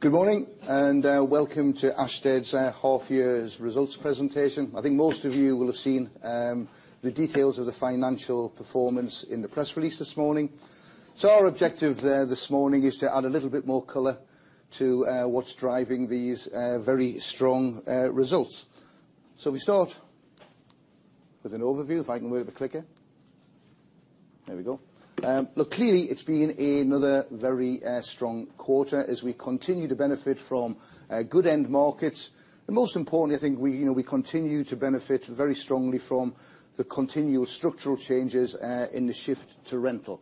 Good morning. Welcome to Ashtead's half-year results presentation. Most of you will have seen the details of the financial performance in the press release this morning. Our objective this morning is to add a little bit more color to what's driving these very strong results. We start with an overview, if I can wave a clicker. There we go. Clearly, it's been another very strong quarter as we continue to benefit from good end markets. Most importantly, we continue to benefit very strongly from the continuous structural changes in the shift to rental.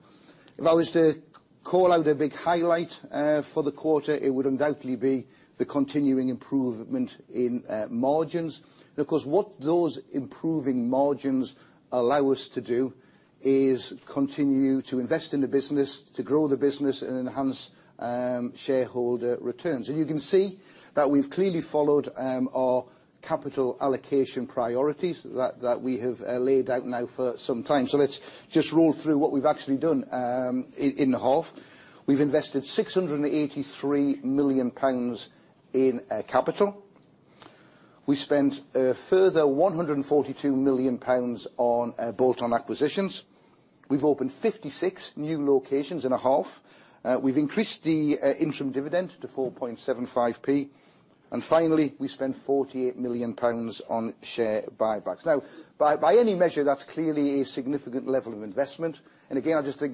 If I was to call out a big highlight for the quarter, it would undoubtedly be the continuing improvement in margins. What those improving margins allow us to do is continue to invest in the business, to grow the business, and enhance shareholder returns. You can see that we've clearly followed our capital allocation priorities that we have laid out now for some time. Let's just roll through what we've actually done in the half. We've invested 683 million pounds in capital. We spent a further 142 million pounds on bolt-on acquisitions. We've opened 56 new locations in a half. We've increased the interim dividend to 0.0475. Finally, we spent 48 million pounds on share buybacks. By any measure, that's clearly a significant level of investment. A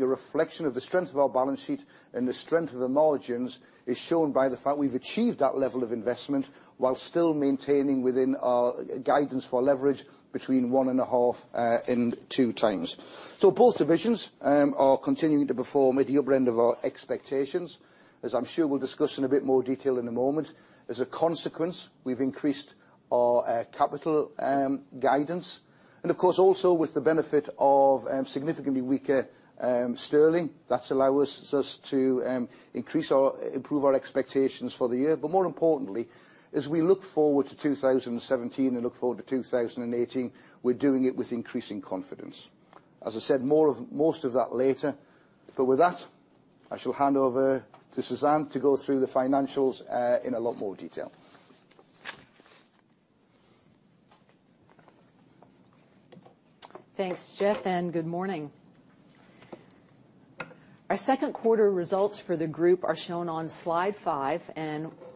reflection of the strength of our balance sheet and the strength of the margins is shown by the fact we've achieved that level of investment while still maintaining within our guidance for leverage between 1.5 and 2 times. Both divisions are continuing to perform at the upper end of our expectations, as I'm sure we'll discuss in a bit more detail in a moment. As a consequence, we've increased our capital guidance, and of course, also with the benefit of significantly weaker sterling. That allows us to improve our expectations for the year. More importantly, as we look forward to 2017 and look forward to 2018, we're doing it with increasing confidence. As I said, most of that later. With that, I shall hand over to Suzanne to go through the financials in a lot more detail. Thanks, Geoff. Good morning. Our second quarter results for the group are shown on slide five.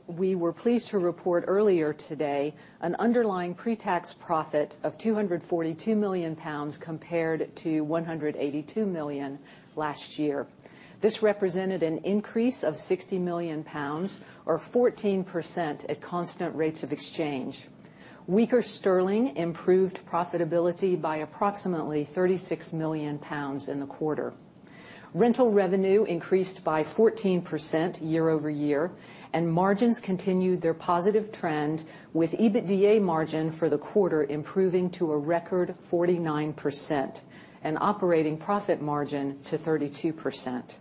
We were pleased to report earlier today an underlying pre-tax profit of 242 million pounds compared to 182 million last year. This represented an increase of 60 million pounds or 14% at constant rates of exchange. Weaker sterling improved profitability by approximately 36 million pounds in the quarter. Rental revenue increased by 14% year-over-year. Margins continued their positive trend with EBITDA margin for the quarter improving to a record 49% and operating profit margin to 32%.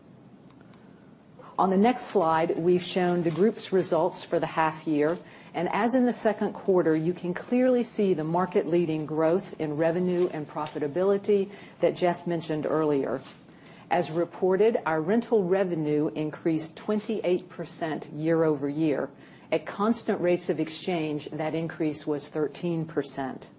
On the next slide, we've shown the group's results for the half-year. As in the second quarter, you can clearly see the market-leading growth in revenue and profitability that Geoff mentioned earlier. As reported, our rental revenue increased 28% year-over-year. At constant rates of exchange, that increase was 13%.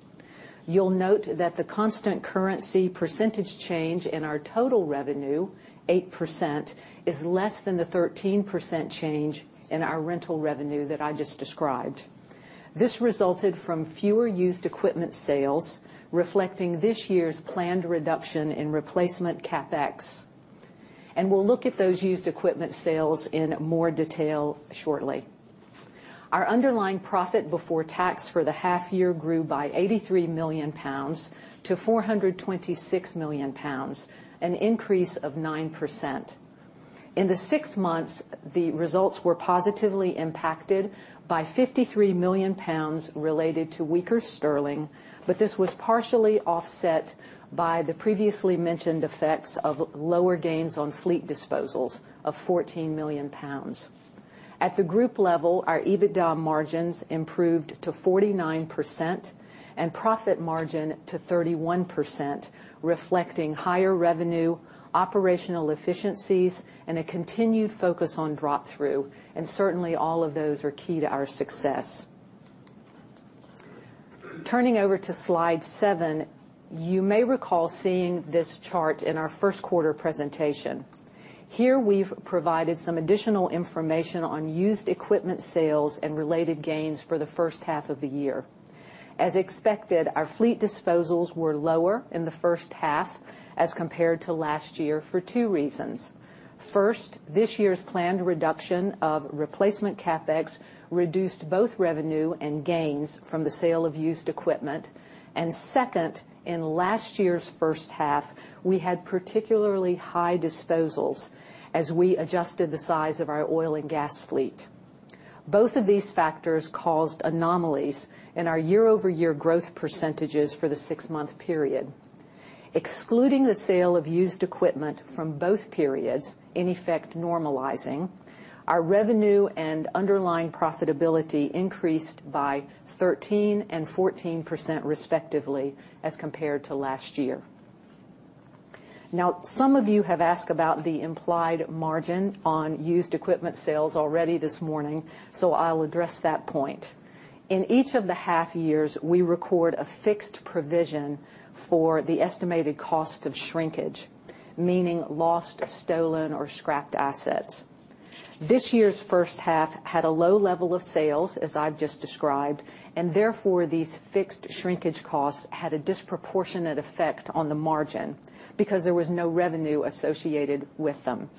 You'll note that the constant currency percentage change in our total revenue, 8%, is less than the 13% change in our rental revenue that I just described. This resulted from fewer used equipment sales, reflecting this year's planned reduction in replacement CapEx. We'll look at those used equipment sales in more detail shortly. Our underlying profit before tax for the half year grew by 83 million pounds to 426 million pounds, an increase of 9%. In the six months, the results were positively impacted by 53 million pounds related to weaker sterling, but this was partially offset by the previously mentioned effects of lower gains on fleet disposals of 14 million pounds. At the group level, our EBITDA margins improved to 49% and profit margin to 31%, reflecting higher revenue, operational efficiencies, and a continued focus on drop-through. Certainly, all of those are key to our success. Turning over to slide seven. You may recall seeing this chart in our first quarter presentation. Here, we've provided some additional information on used equipment sales and related gains for the first half of the year. As expected, our fleet disposals were lower in the first half as compared to last year for two reasons. First, this year's planned reduction of replacement CapEx reduced both revenue and gains from the sale of used equipment. Second, in last year's first half, we had particularly high disposals as we adjusted the size of our oil and gas fleet. Both of these factors caused anomalies in our year-over-year growth percentages for the six-month period. Excluding the sale of used equipment from both periods, in effect normalizing, our revenue and underlying profitability increased by 13% and 14% respectively as compared to last year. Some of you have asked about the implied margin on used equipment sales already this morning, so I'll address that point. In each of the half years, we record a fixed provision for the estimated cost of shrinkage, meaning lost, stolen, or scrapped assets. This year's first half had a low level of sales, as I've just described, and therefore, these fixed shrinkage costs had a disproportionate effect on the margin because there was no revenue associated with them.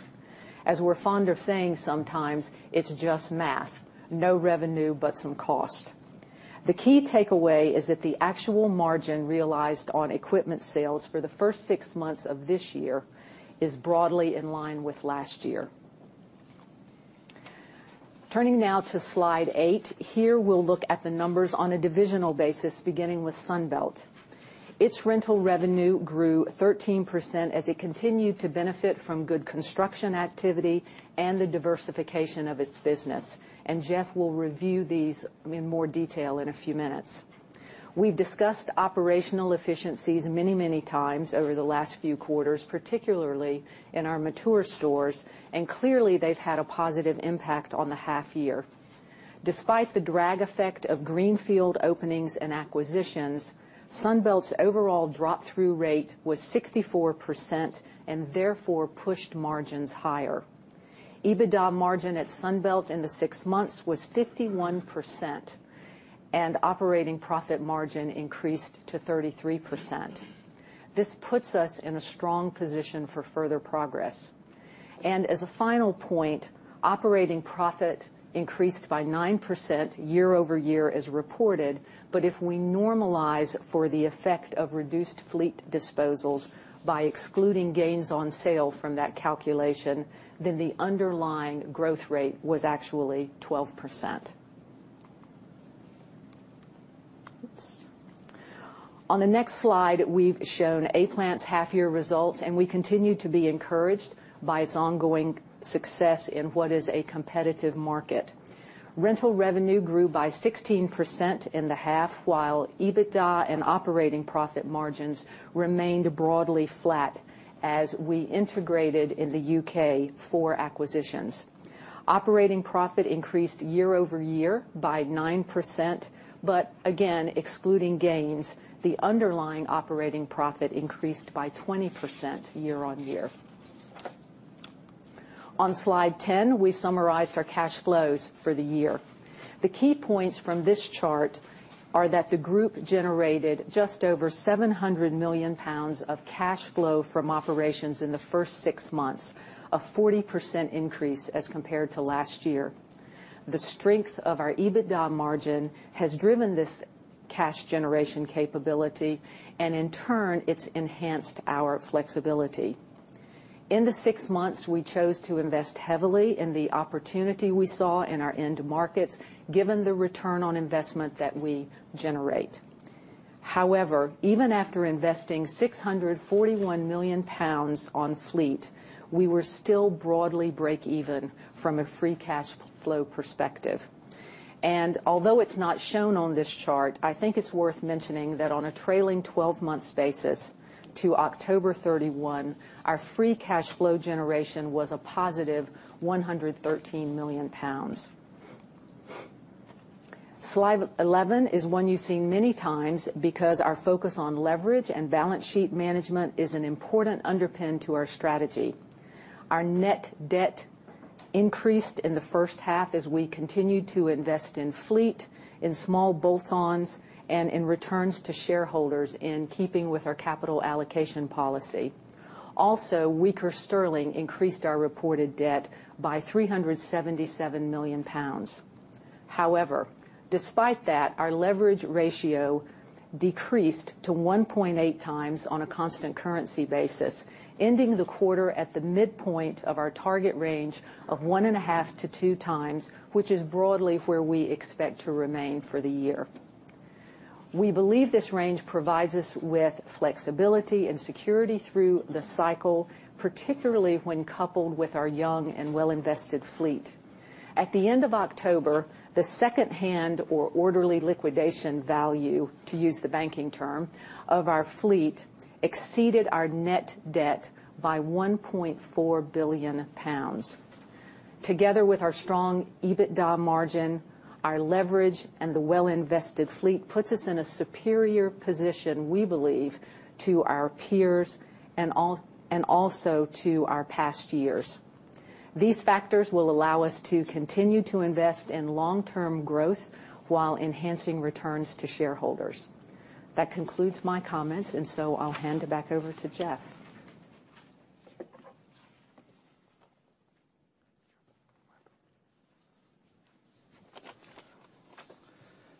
As we're fond of saying sometimes, it's just math. No revenue, but some cost. The key takeaway is that the actual margin realized on equipment sales for the first six months of this year is broadly in line with last year. Turning now to slide eight. Its rental revenue grew 13% as it continued to benefit from good construction activity and the diversification of its business. Geoff will review these in more detail in a few minutes. We've discussed operational efficiencies many times over the last few quarters, particularly in our mature stores, and clearly they've had a positive impact on the half year. Despite the drag effect of greenfield openings and acquisitions, Sunbelt's overall drop-through rate was 64% and therefore pushed margins higher. EBITDA margin at Sunbelt in the six months was 51%, and operating profit margin increased to 33%. This puts us in a strong position for further progress. As a final point, operating profit increased by 9% year-over-year as reported, but if we normalize for the effect of reduced fleet disposals by excluding gains on sale from that calculation, then the underlying growth rate was actually 12%. Oops. On the next slide, we've shown A-Plant's half year results. We continue to be encouraged by its ongoing success in what is a competitive market. Rental revenue grew by 16% in the half, while EBITDA and operating profit margins remained broadly flat as we integrated in the U.K. four acquisitions. Operating profit increased year-over-year by 9%. Again, excluding gains, the underlying operating profit increased by 20% year-on-year. On slide 10, we've summarized our cash flows for the year. The key points from this chart are that the group generated just over 700 million pounds of cash flow from operations in the first six months, a 40% increase as compared to last year. The strength of our EBITDA margin has driven this cash generation capability. In turn, it's enhanced our flexibility. In the six months, we chose to invest heavily in the opportunity we saw in our end markets, given the return on investment that we generate. However, even after investing 641 million pounds on fleet, we were still broadly break even from a free cash flow perspective. Although it's not shown on this chart, I think it's worth mentioning that on a trailing 12-month basis to October 31, our free cash flow generation was a positive 113 million pounds. Slide 11 is one you've seen many times because our focus on leverage and balance sheet management is an important underpin to our strategy. Our net debt increased in the first half as we continued to invest in fleet, in small bolt-ons, and in returns to shareholders in keeping with our capital allocation policy. Weaker sterling increased our reported debt by 377 million pounds. However, despite that, our leverage ratio decreased to 1.8 times on a constant currency basis, ending the quarter at the midpoint of our target range of 1.5-2 times, which is broadly where we expect to remain for the year. We believe this range provides us with flexibility and security through the cycle, particularly when coupled with our young and well-invested fleet. At the end of October, the second-hand or orderly liquidation value, to use the banking term, of our fleet exceeded our net debt by 1.4 billion pounds. Together with our strong EBITDA margin, our leverage, and the well-invested fleet puts us in a superior position, we believe, to our peers and also to our past years. These factors will allow us to continue to invest in long-term growth while enhancing returns to shareholders. That concludes my comments. I'll hand it back over to Geoff.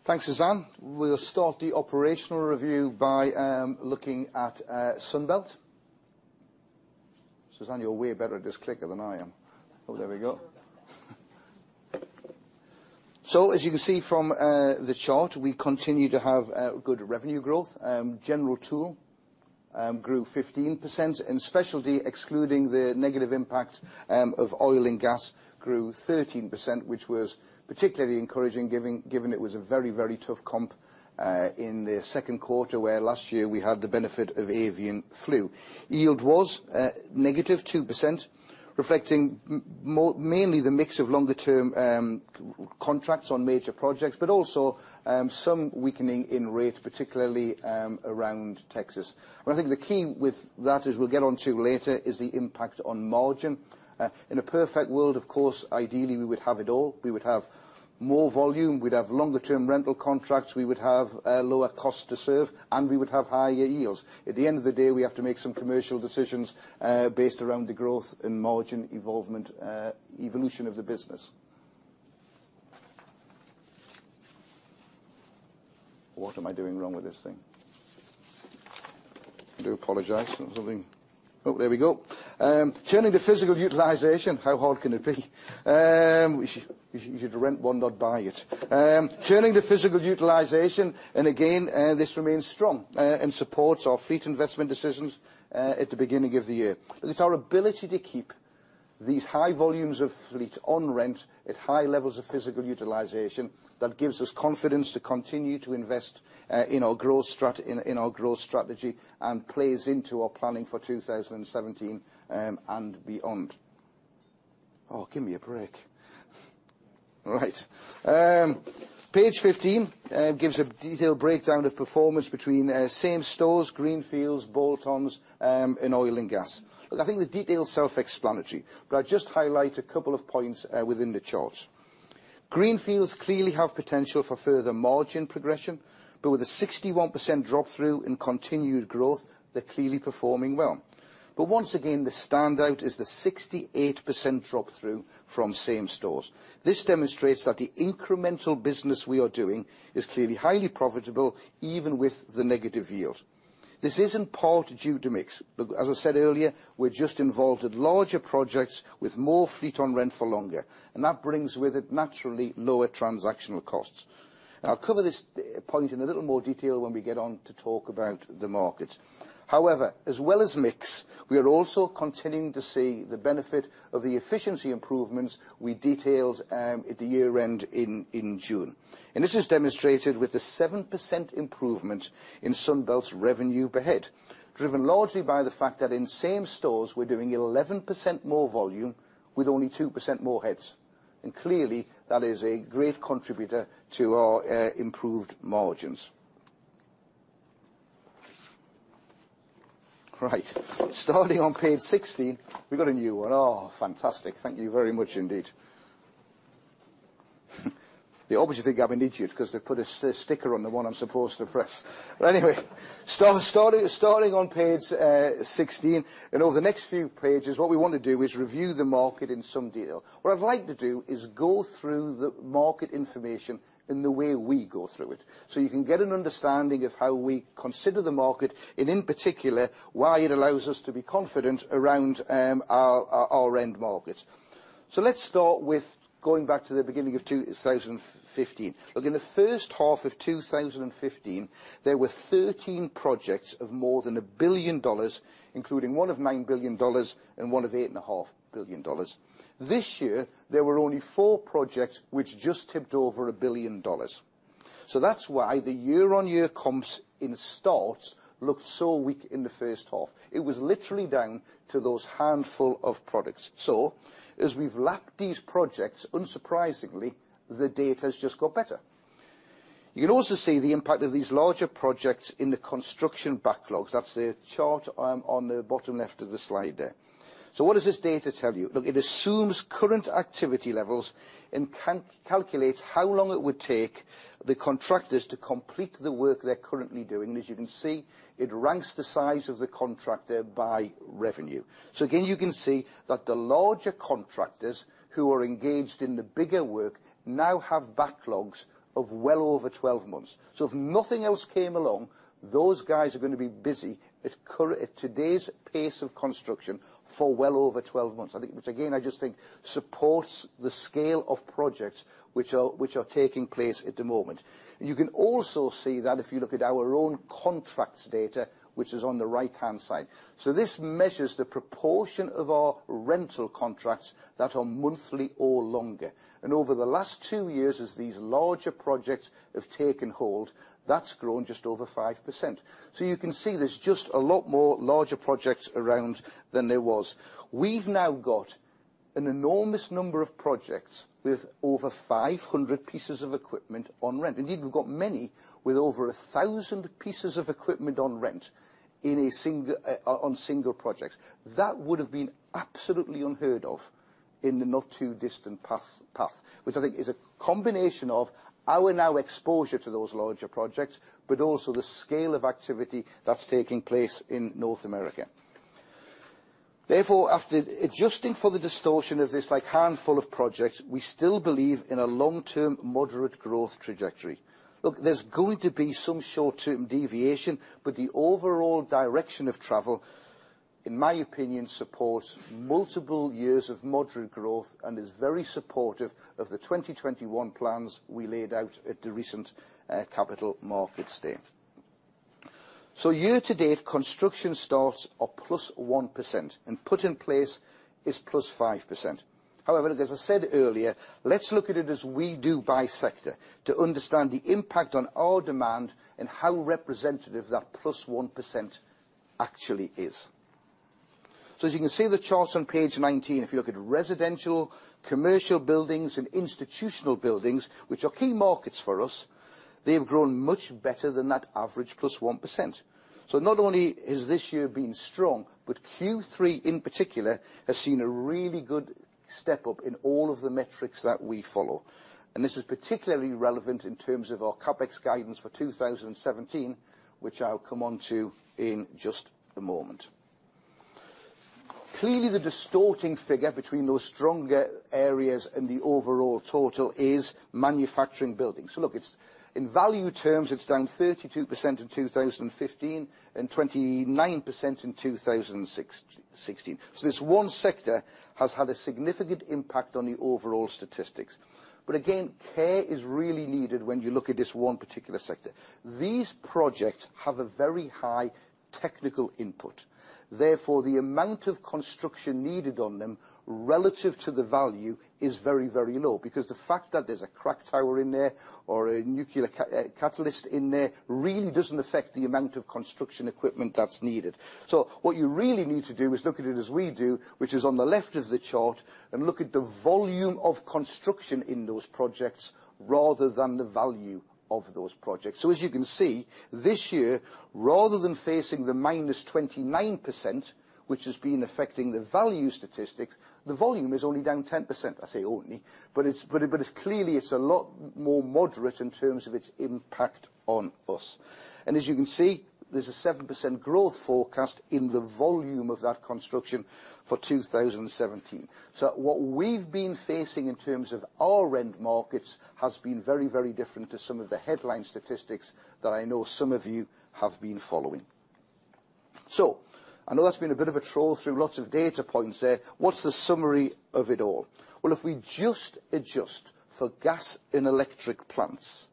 Thanks, Suzanne. We'll start the operational review by looking at Sunbelt. Suzanne, you're way better at this clicker than I am. Oh, there we go. I'm sure about that. As you can see from the chart, we continue to have good revenue growth. General tool grew 15% and specialty, excluding the negative impact of oil and gas, grew 13%, which was particularly encouraging given it was a very, very tough comp in the second quarter, where last year we had the benefit of avian flu. Yield was negative 2%, reflecting mainly the mix of longer-term contracts on major projects, but also some weakening in rate, particularly around Texas. I think the key with that, as we'll get onto later, is the impact on margin. In a perfect world, of course, ideally, we would have it all. We would have more volume, we'd have longer-term rental contracts, we would have lower cost to serve, and we would have higher yields. At the end of the day, we have to make some commercial decisions based around the growth and margin evolution of the business. What am I doing wrong with this thing? Oh, there we go. Turning to physical utilization How hard can it be? We should rent one, not buy it. Turning to physical utilization, this remains strong and supports our fleet investment decisions at the beginning of the year. It's our ability to keep these high volumes of fleet on rent at high levels of physical utilization that gives us confidence to continue to invest in our growth strategy and plays into our planning for 2017 and beyond. Oh, give me a break. All right. Page 15 gives a detailed breakdown of performance between same-stores, greenfields, bolt-ons, and oil and gas. Look, I think the detail is self-explanatory, but I'll just highlight a couple of points within the chart. Greenfields clearly have potential for further margin progression, but with a 61% drop-through in continued growth, they're clearly performing well. Once again, the standout is the 68% drop-through from same stores. This demonstrates that the incremental business we are doing is clearly highly profitable, even with the negative yield. This isn't part due to mix. Look, as I said earlier, we're just involved in larger projects with more fleet on rent for longer, and that brings with it naturally lower transactional costs. I'll cover this point in a little more detail when we get on to talk about the markets. However, as well as mix, we are also continuing to see the benefit of the efficiency improvements we detailed at the year-end in June. This is demonstrated with the 7% improvement in Sunbelt's revenue per head, driven largely by the fact that in same stores, we're doing 11% more volume with only 2% more heads. Clearly, that is a great contributor to our improved margins. Right. Starting on page 16 We got a new one. Oh, fantastic. Thank you very much indeed. They obviously think I'm an idiot because they put a sticker on the one I'm supposed to press. Starting on page 16 and over the next few pages, what we want to do is review the market in some detail. What I'd like to do is go through the market information in the way we go through it, so you can get an understanding of how we consider the market and, in particular, why it allows us to be confident around our end markets. Let's start with going back to the beginning of 2015. Look, in the first half of 2015, there were 13 projects of more than $1 billion, including one of $9 billion and one of $8.5 billion. This year, there were only four projects which just tipped over $1 billion. That's why the year-on-year comps in starts looked so weak in the first half. It was literally down to those handful of products. As we've lacked these projects, unsurprisingly, the data has just got better. You can also see the impact of these larger projects in the construction backlogs. That's the chart on the bottom left of the slide there. What does this data tell you? Look, it assumes current activity levels and calculates how long it would take the contractors to complete the work they're currently doing. As you can see, it ranks the size of the contractor by revenue. Again, you can see that the larger contractors who are engaged in the bigger work now have backlogs of well over 12 months. If nothing else came along, those guys are going to be busy at today's pace of construction for well over 12 months, which again, I just think supports the scale of projects which are taking place at the moment. You can also see that if you look at our own contracts data, which is on the right-hand side. This measures the proportion of our rental contracts that are monthly or longer. Over the last two years, as these larger projects have taken hold, that's grown just over 5%. You can see there's just a lot more larger projects around than there was. We've now got an enormous number of projects with over 500 pieces of equipment on rent. Indeed, we've got many with over 1,000 pieces of equipment on rent on single projects. That would have been absolutely unheard of in the not-too-distant past, which I think is a combination of our now exposure to those larger projects, but also the scale of activity that's taking place in North America. Therefore, after adjusting for the distortion of this handful of projects, we still believe in a long-term moderate growth trajectory. Look, there's going to be some short-term deviation, but the overall direction of travel in my opinion, supports multiple years of moderate growth and is very supportive of the 2021 plans we laid out at the recent Capital Markets Day. Year-to-date, construction starts are +1% and put in place is +5%. As I said earlier, let's look at it as we do by sector to understand the impact on our demand and how representative that +1% actually is. As you can see the charts on page 19, if you look at residential, commercial buildings, and institutional buildings, which are key markets for us, they have grown much better than that average +1%. Not only has this year been strong, but Q3 in particular, has seen a really good step up in all of the metrics that we follow. This is particularly relevant in terms of our CapEx guidance for 2017, which I'll come onto in just a moment. Clearly, the distorting figure between those stronger areas and the overall total is manufacturing buildings. Look, in value terms, it's down 32% in 2015 and 29% in 2016. This one sector has had a significant impact on the overall statistics. Again, care is really needed when you look at this one particular sector. These projects have a very high technical input. Therefore, the amount of construction needed on them relative to the value is very low. Because the fact that there's a crack tower in there or a nuclear catalyst in there, really doesn't affect the amount of construction equipment that's needed. What you really need to do is look at it as we do, which is on the left of the chart, and look at the volume of construction in those projects rather than the value of those projects. As you can see, this year, rather than facing the -29%, which has been affecting the value statistics, the volume is only down 10%. I say only, clearly it's a lot more moderate in terms of its impact on us. As you can see, there's a 7% growth forecast in the volume of that construction for 2017. What we've been facing in terms of our rent markets has been very different to some of the headline statistics that I know some of you have been following. I know that's been a bit of a troll through lots of data points there. What's the summary of it all? If we just adjust for gas and electric plants,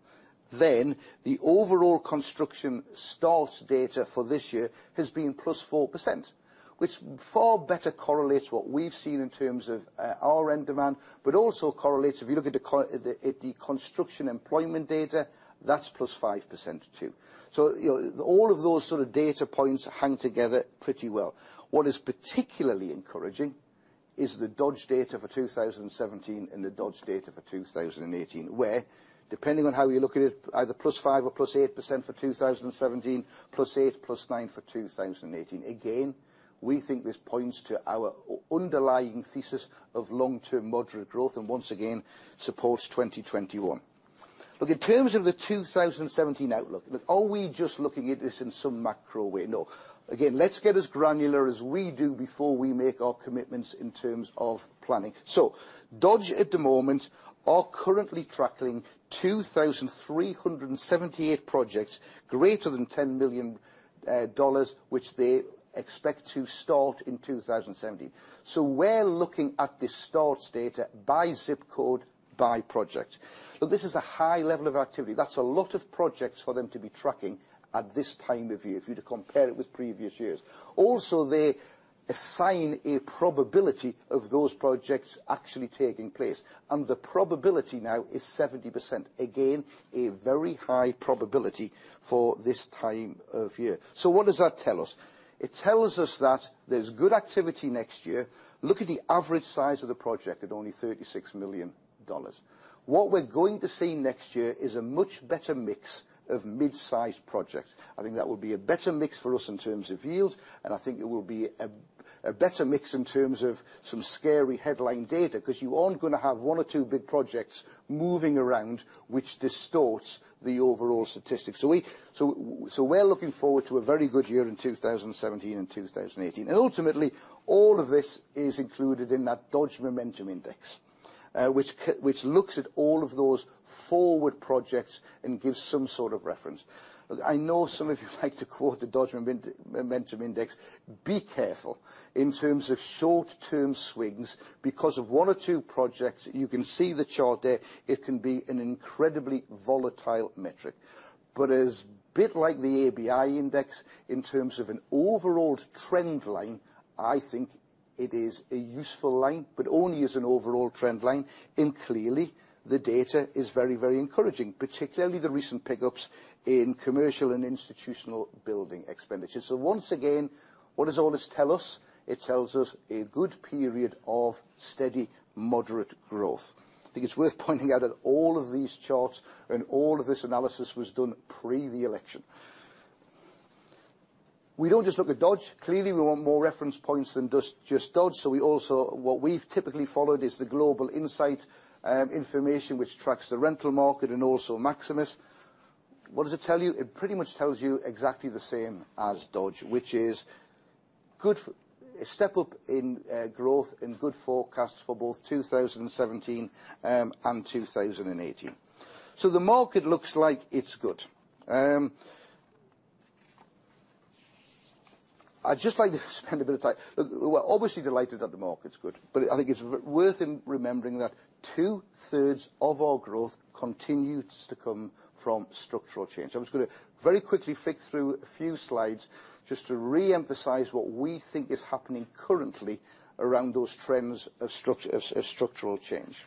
then the overall construction start data for this year has been +4%, which far better correlates what we've seen in terms of our end demand, but also correlates, if you look at the construction employment data, that's +5% too. All of those sort of data points hang together pretty well. What is particularly encouraging is the Dodge data for 2017 and the Dodge data for 2018, where, depending on how you look at it, either +5% or +8% for 2017, +8%, +9% for 2018. Again, we think this points to our underlying thesis of long-term moderate growth, and once again, supports 2021. Look, in terms of the 2017 outlook, look, are we just looking at this in some macro way? No. Again, let's get as granular as we do before we make our commitments in terms of planning. Dodge at the moment are currently tracking 2,378 projects greater than $10 million, which they expect to start in 2017. We are looking at the starts data by ZIP code, by project. Look, this is a high level of activity. That is a lot of projects for them to be tracking at this time of year if you were to compare it with previous years. Also, they assign a probability of those projects actually taking place, and the probability now is 70%. Again, a very high probability for this time of year. What does that tell us? It tells us that there is good activity next year. Look at the average size of the project at only $36 million. What we are going to see next year is a much better mix of mid-size projects. I think that would be a better mix for us in terms of yield, and I think it will be a better mix in terms of some scary headline data, because you are not going to have one or two big projects moving around, which distorts the overall statistics. We are looking forward to a very good year in 2017 and 2018. And ultimately, all of this is included in that Dodge Momentum Index, which looks at all of those forward projects and gives some sort of reference. Look, I know some of you like to quote the Dodge Momentum Index. Be careful in terms of short-term swings. Because of one or two projects, you can see the chart there, it can be an incredibly volatile metric. But as a bit like the ABI index in terms of an overall trend line, I think it is a useful line, but only as an overall trend line. And clearly, the data is very encouraging, particularly the recent pickups in commercial and institutional building expenditures. Once again, what does all this tell us? It tells us a good period of steady, moderate growth. I think it is worth pointing out that all of these charts and all of this analysis was done pre the election. We do not just look at Dodge. Clearly, we want more reference points than just Dodge. We also, what we have typically followed is the Global Insight information, which tracks the rental market and also Maximus. What does it tell you? It pretty much tells you exactly the same as Dodge, which is a step up in growth and good forecasts for both 2017 and 2018. The market looks like it is good. I would just like to spend a bit of time. Look, we are obviously delighted that the market is good, but I think it is worth remembering that two-thirds of our growth continues to come from structural change. I'm just going to very quickly flick through a few slides just to re-emphasize what we think is happening currently around those trends of structural change.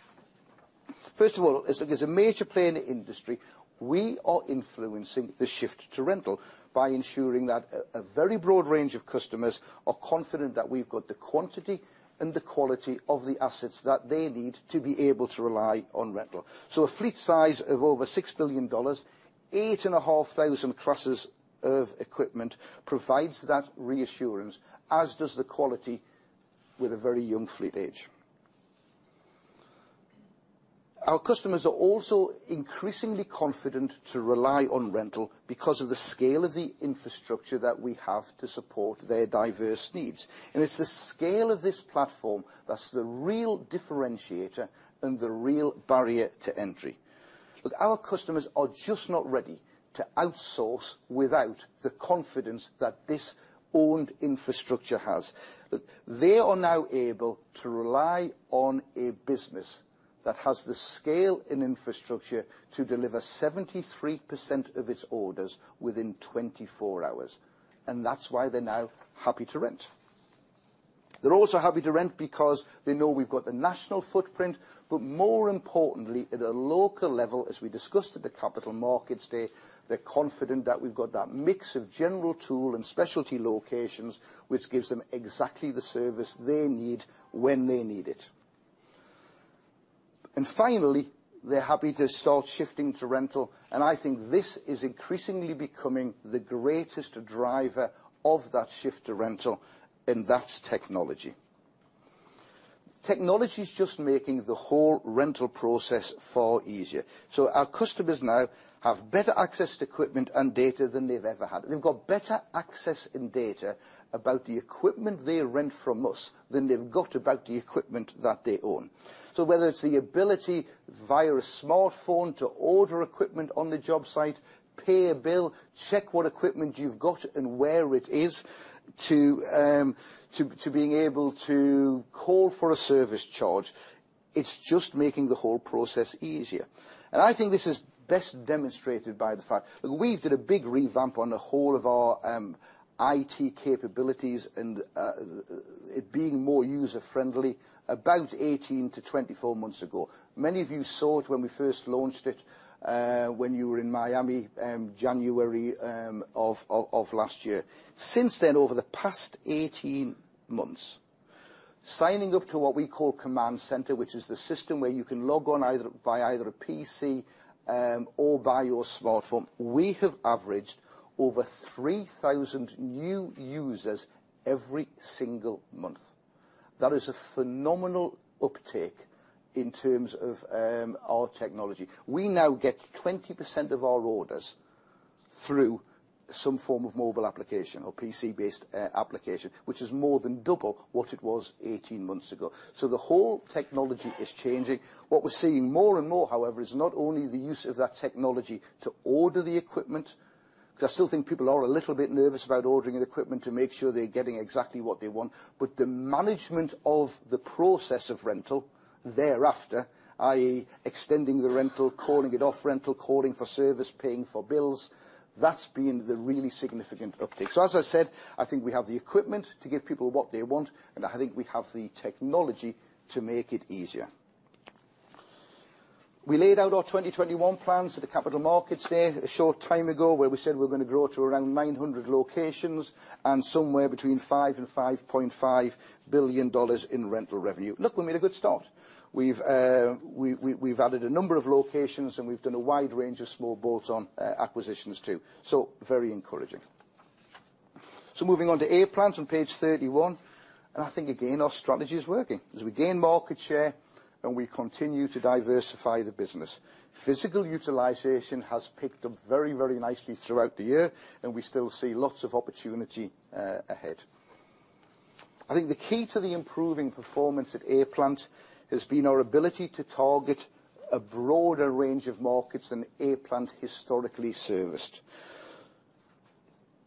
First of all, as a major player in the industry, we are influencing the shift to rental by ensuring that a very broad range of customers are confident that we've got the quantity and the quality of the assets that they need to be able to rely on rental. A fleet size of over $6 billion, 8,500 trucks of equipment provides that reassurance, as does the quality with a very young fleet age. Our customers are also increasingly confident to rely on rental because of the scale of the infrastructure that we have to support their diverse needs. It's the scale of this platform that's the real differentiator and the real barrier to entry. Look, our customers are just not ready to outsource without the confidence that this owned infrastructure has. Look, they are now able to rely on a business that has the scale and infrastructure to deliver 73% of its orders within 24 hours, and that's why they're now happy to rent. They're also happy to rent because they know we've got the national footprint. More importantly, at a local level, as we discussed at the Capital Markets Day, they're confident that we've got that mix of general tool and specialty locations, which gives them exactly the service they need when they need it. Finally, they're happy to start shifting to rental, I think this is increasingly becoming the greatest driver of that shift to rental, that's technology. Technology's just making the whole rental process far easier. Our customers now have better access to equipment and data than they've ever had. They've got better access and data about the equipment they rent from us than they've got about the equipment that they own. Whether it's the ability via a smartphone to order equipment on the job site, pay a bill, check what equipment you've got and where it is, to being able to call for a service charge, it's just making the whole process easier. I think this is best demonstrated by the fact, look, we did a big revamp on the whole of our IT capabilities and it being more user-friendly about 18-24 months ago. Many of you saw it when we first launched it, when you were in Miami in January of last year. Since then, over the past 18 months, signing up to what we call Command Center, which is the system where you can log on via either a PC or by your smartphone, we have averaged over 3,000 new users every single month. That is a phenomenal uptake in terms of our technology. We now get 20% of our orders through some form of mobile application or PC-based application, which is more than double what it was 18 months ago. The whole technology is changing. What we're seeing more and more, however, is not only the use of that technology to order the equipment, because I still think people are a little bit nervous about ordering equipment to make sure they're getting exactly what they want, but the management of the process of rental thereafter, i.e., extending the rental, calling it off rental, calling for service, paying for bills, that's been the really significant uptake. As I said, I think we have the equipment to give people what they want, and I think we have the technology to make it easier. We laid out our 2021 plans at the Capital Markets Day a short time ago, where we said we're going to grow to around 900 locations and somewhere between $5 billion and $5.5 billion in rental revenue. We made a good start. We've added a number of locations, and we've done a wide range of small bolt-on acquisitions, too. Very encouraging. Moving on to A-Plant on Page 31. I think, again, our strategy is working as we gain market share and we continue to diversify the business. Physical utilization has picked up very, very nicely throughout the year, and we still see lots of opportunity ahead. I think the key to the improving performance at A-Plant has been our ability to target a broader range of markets than A-Plant historically serviced.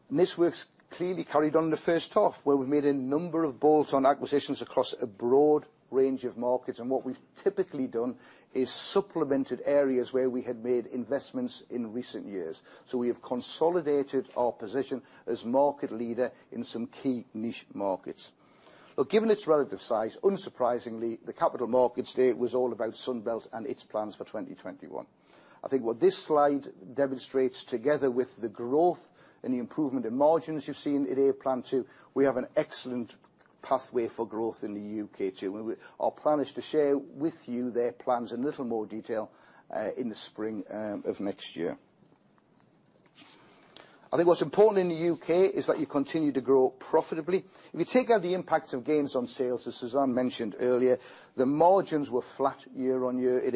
This work's clearly carried on in the first half, where we've made a number of bolt-on acquisitions across a broad range of markets. What we've typically done is supplemented areas where we had made investments in recent years. We have consolidated our position as market leader in some key niche markets. Given its relative size, unsurprisingly, the Capital Markets Day was all about Sunbelt and its plans for 2021. I think what this slide demonstrates, together with the growth and the improvement in margins you've seen at A-Plant too, we have an excellent pathway for growth in the U.K., too. Our plan is to share with you their plans in a little more detail in the spring of next year. I think what's important in the U.K. is that you continue to grow profitably. If you take out the impacts of gains on sales, as Suzanne mentioned earlier, the margins were flat year-on-year at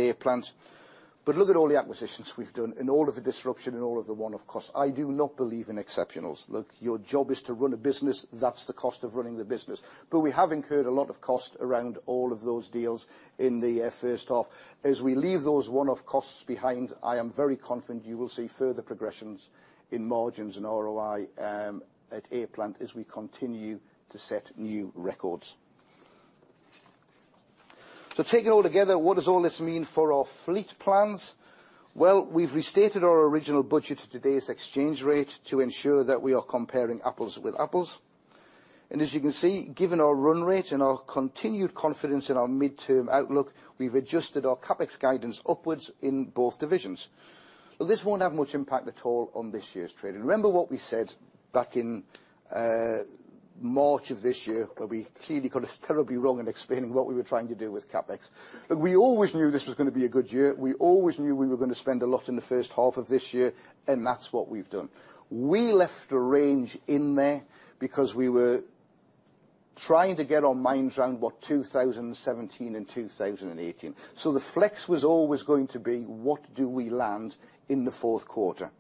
A-Plant. Look at all the acquisitions we've done and all of the disruption and all of the one-off costs. I do not believe in exceptionals. Your job is to run a business. That's the cost of running the business. We have incurred a lot of cost around all of those deals in the first half. As we leave those one-off costs behind, I am very confident you will see further progressions in margins and ROI at A-Plant as we continue to set new records. Taken all together, what does all this mean for our fleet plans? We've restated our original budget to today's exchange rate to ensure that we are comparing apples with apples. As you can see, given our run rate and our continued confidence in our midterm outlook, we've adjusted our CapEx guidance upwards in both divisions. This won't have much impact at all on this year's trade-in. Remember what we said back in March of this year, where we clearly got this terribly wrong in explaining what we were trying to do with CapEx. Look, we always knew this was going to be a good year. We always knew we were going to spend a lot in the first half of this year, and that's what we've done. We left a range in there because we were trying to get our minds around what 2017 and 2018. The flex was always going to be what do we land in the fourth quarter.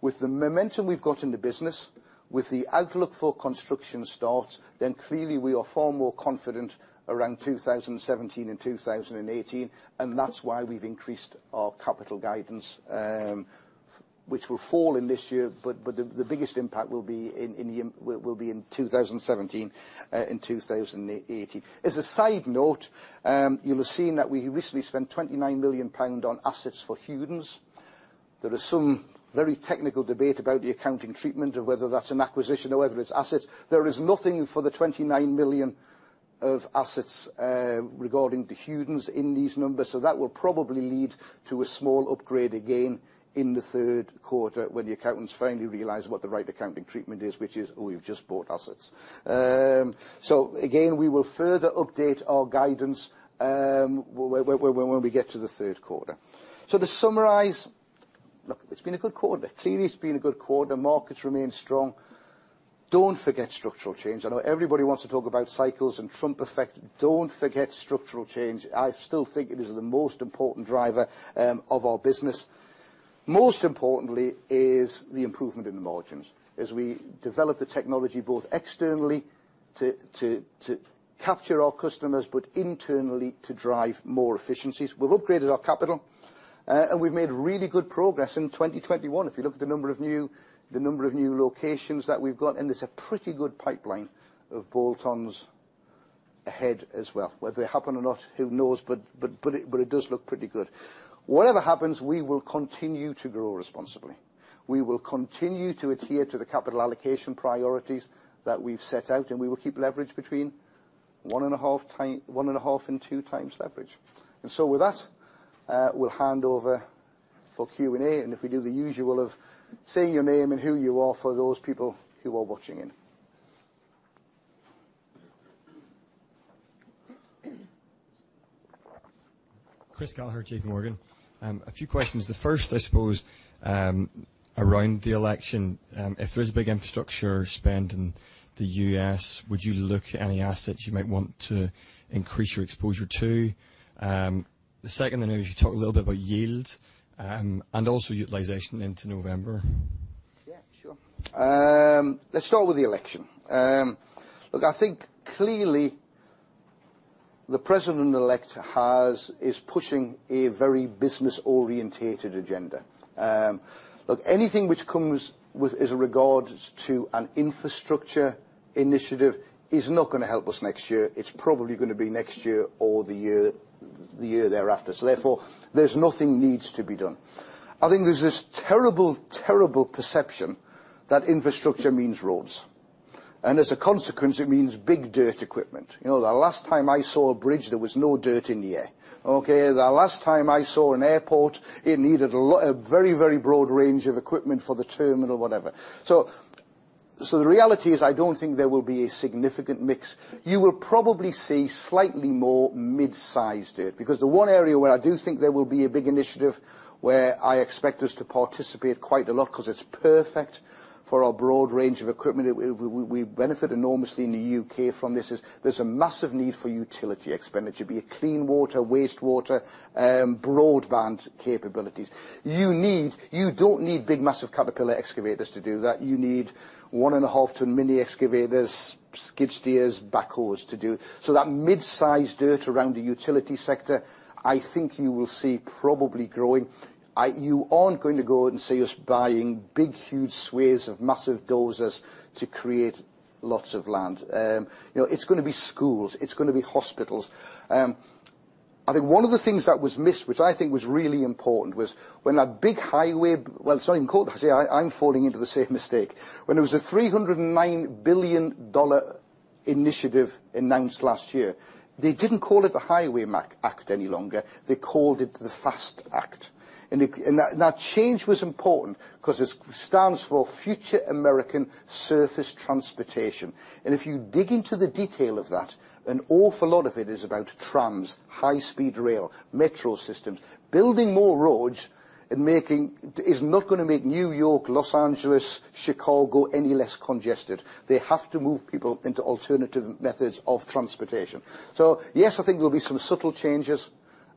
With the momentum we've got in the business, with the outlook for construction starts, clearly we are far more confident around 2017 and 2018, and that's why we've increased our capital guidance, which will fall in this year, but the biggest impact will be in 2017 and 2018. As a side note, you'll have seen that we recently spent 29 million pound on assets for Hewden. There is some very technical debate about the accounting treatment of whether that's an acquisition or whether it's asset. There is nothing for the 29 million of assets regarding the Hewden in these numbers. That will probably lead to a small upgrade again in the third quarter when the accountants finally realize what the right accounting treatment is, which is, oh, you've just bought assets. Again, we will further update our guidance when we get to the third quarter. To summarize, look, it's been a good quarter. Clearly, it's been a good quarter. Markets remain strong. Don't forget structural change. I know everybody wants to talk about cycles and Trump effect. Don't forget structural change. I still think it is the most important driver of our business. Most importantly is the improvement in the margins as we develop the technology both externally to capture our customers, but internally to drive more efficiencies. We've upgraded our capital, and we've made really good progress in 2021. If you look at the number of new locations that we've got, and there's a pretty good pipeline of bolt-ons ahead as well. Whether they happen or not, who knows, but it does look pretty good. Whatever happens, we will continue to grow responsibly. We will continue to adhere to the capital allocation priorities that we've set out, and we will keep leverage between 1.5 and 2 times leverage. With that, we'll hand over for Q&A, and if we do the usual of saying your name and who you are for those people who are watching in. Chris Gallagher, J.P. Morgan. A few questions. The first, I suppose, around the election. If there is a big infrastructure spend in the U.S., would you look at any assets you might want to increase your exposure to? The second, if you talk a little bit about yield and also utilization into November. Yeah, sure. Let's start with the election. Look, I think clearly the president-elect is pushing a very business-oriented agenda. Look, anything which comes with as regards to an infrastructure initiative is not going to help us next year. It's probably going to be next year or the year thereafter. Therefore, there's nothing needs to be done. I think there's this terrible perception that infrastructure means roads. As a consequence, it means big dirt equipment. The last time I saw a bridge, there was no dirt in there. Okay? The last time I saw an airport, it needed a very, very broad range of equipment for the terminal, whatever. The reality is, I don't think there will be a significant mix. You will probably see slightly more mid-sized dirt because the one area where I do think there will be a big initiative where I expect us to participate quite a lot because it's perfect for our broad range of equipment, we benefit enormously in the U.K. from this is there's a massive need for utility expenditure, be it clean water, wastewater, broadband capabilities. You don't need big, massive Caterpillar excavators to do that. You need one and a half ton mini excavators, skid steers, backhoes to do. That mid-size dirt around the utility sector, I think you will see probably growing. You aren't going to go and see us buying big, huge swaths of massive dozers to create lots of land. It's going to be schools. It's going to be hospitals. I think one of the things that was missed, which I think was really important, was when a big highway Well, it's not even called See, I'm falling into the same mistake. When there was a $309 billion initiative announced last year, they didn't call it the Highway Act any longer. They called it the FAST Act. That change was important because it stands for Fixing America's Surface Transportation. If you dig into the detail of that, an awful lot of it is about trams, high-speed rail, metro systems. Building more roads and is not going to make New York, Los Angeles, Chicago any less congested. They have to move people into alternative methods of transportation. Yes, I think there'll be some subtle changes,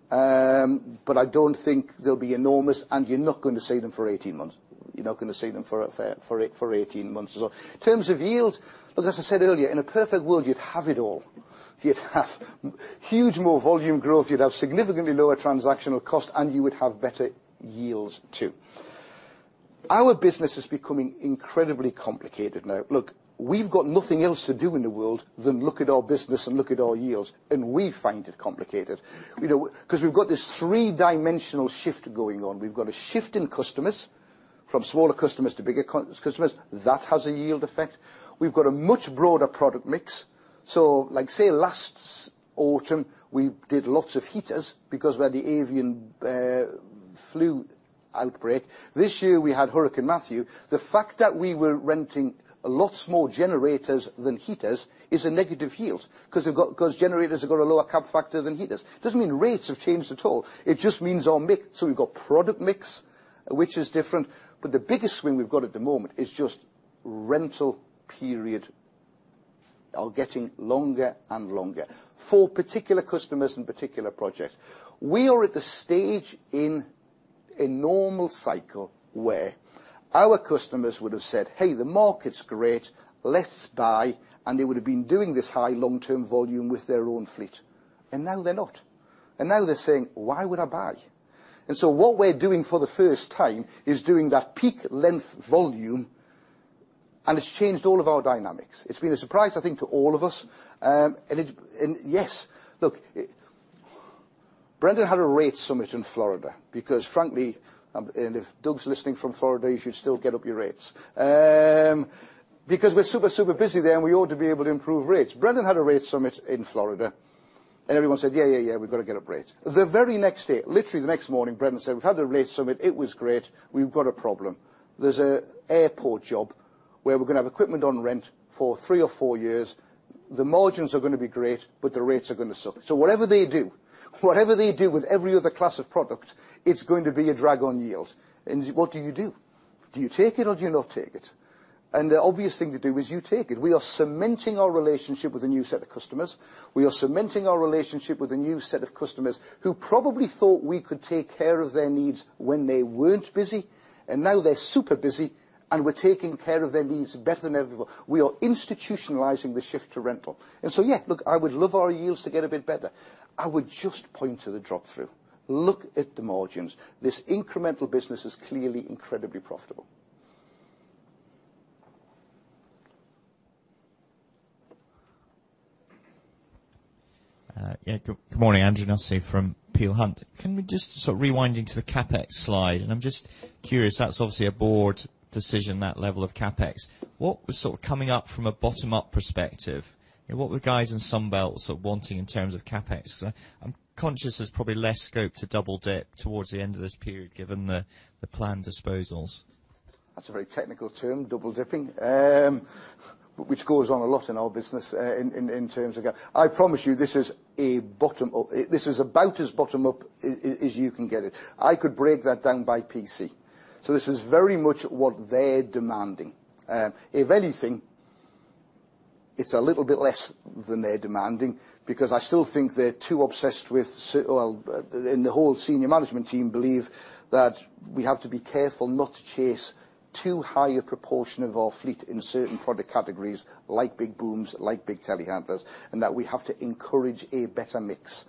but I don't think they'll be enormous, and you're not going to see them for 18 months. You're not going to see them for 18 months as well. In terms of yields, look, as I said earlier, in a perfect world, you'd have it all. You'd have huge more volume growth, you'd have significantly lower transactional cost, you would have better yields, too. Our business is becoming incredibly complicated now. Look, we've got nothing else to do in the world than look at our business and look at our yields, and we find it complicated. We've got this three-dimensional shift going on. We've got a shift in customers from smaller customers to bigger customers. That has a yield effect. We've got a much broader product mix. Say last autumn, we did lots of heaters because we had the avian flu outbreak. This year, we had Hurricane Matthew. The fact that we were renting lots more generators than heaters is a negative yield, because generators have got a lower cap factor than heaters. Doesn't mean rates have changed at all. It just means our mix. We've got product mix, which is different, but the biggest swing we've got at the moment is just rental periods are getting longer and longer for particular customers and particular projects. We are at the stage in a normal cycle where our customers would have said, "Hey, the market's great. Let's buy," and they would have been doing this high long-term volume with their own fleet. Now they're not. Now they're saying, "Why would I buy?" What we're doing for the first time is doing that peak length volume, and it's changed all of our dynamics. It's been a surprise, I think, to all of us. Yes. Look, Brendan had a rate summit in Florida because frankly if Doug's listening from Florida, you should still get up your rates. We're super busy there, and we ought to be able to improve rates. Brendan had a rate summit in Florida, and everyone said, "Yeah. We've got to get up rates." The very next day, literally the next morning, Brendan said, "We've had a rate summit. It was great. We've got a problem. There's an airport job where we're going to have equipment on rent for three or four years. The margins are going to be great, but the rates are going to suck." Whatever they do, whatever they do with every other class of product, it's going to be a drag on yield. What do you do? Do you take it or do you not take it? The obvious thing to do is you take it. We are cementing our relationship with a new set of customers. We are cementing our relationship with a new set of customers who probably thought we could take care of their needs when they weren't busy, and now they're super busy, and we're taking care of their needs better than ever before. We are institutionalizing the shift to rental. Yeah. Look, I would love our yields to get a bit better. I would just point to the drop-through. Look at the margins. This incremental business is clearly incredibly profitable. Yeah. Good morning, Andrew Nussey from Peel Hunt. Can we just sort of rewind into the CapEx slide? I'm just curious, that's obviously a board decision, that level of CapEx. What was sort of coming up from a bottom-up perspective? What were guys in Sunbelt sort of wanting in terms of CapEx? I'm conscious there's probably less scope to double-dip towards the end of this period, given the planned disposals. That's a very technical term, double-dipping, which goes on a lot in our business in terms of I promise you, this is about as bottom-up as you can get it. I could break that down by PC. This is very much what they're demanding. If anything, it's a little bit less than they're demanding because I still think they're too obsessed with The whole senior management team believe that we have to be careful not to chase too high a proportion of our fleet in certain product categories, like big booms, like big telehandlers, and that we have to encourage a better mix.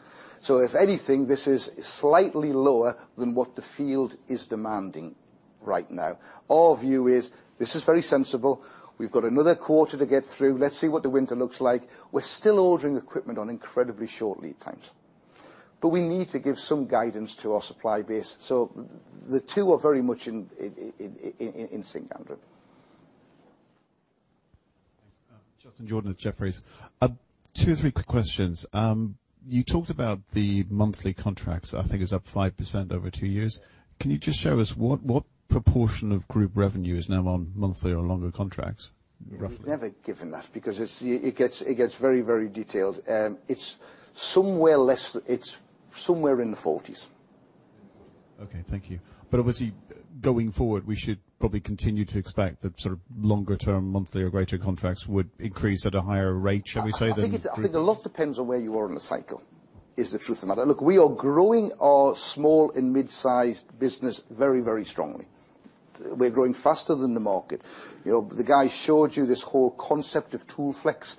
If anything, this is slightly lower than what the field is demanding right now. Our view is this is very sensible. We've got another quarter to get through. Let's see what the winter looks like. We're still ordering equipment on incredibly short lead times. We need to give some guidance to our supply base. The two are very much in sync, Andrew. Thanks. Justin Jordan at Jefferies. Two, three quick questions. You talked about the monthly contracts, I think is up 5% over two years. Can you just show us what proportion of group revenue is now on monthly or longer contracts, roughly? We've never given that because it gets very detailed. It's somewhere in the 40s. Okay. Thank you. Obviously, going forward, we should probably continue to expect that sort of longer-term monthly or greater contracts would increase at a higher rate, shall we say, than group? I think a lot depends on where you are in the cycle, is the truth of matter. Look, we are growing our small and mid-size business very strongly. We're growing faster than the market. The guys showed you this whole concept of ToolFlex,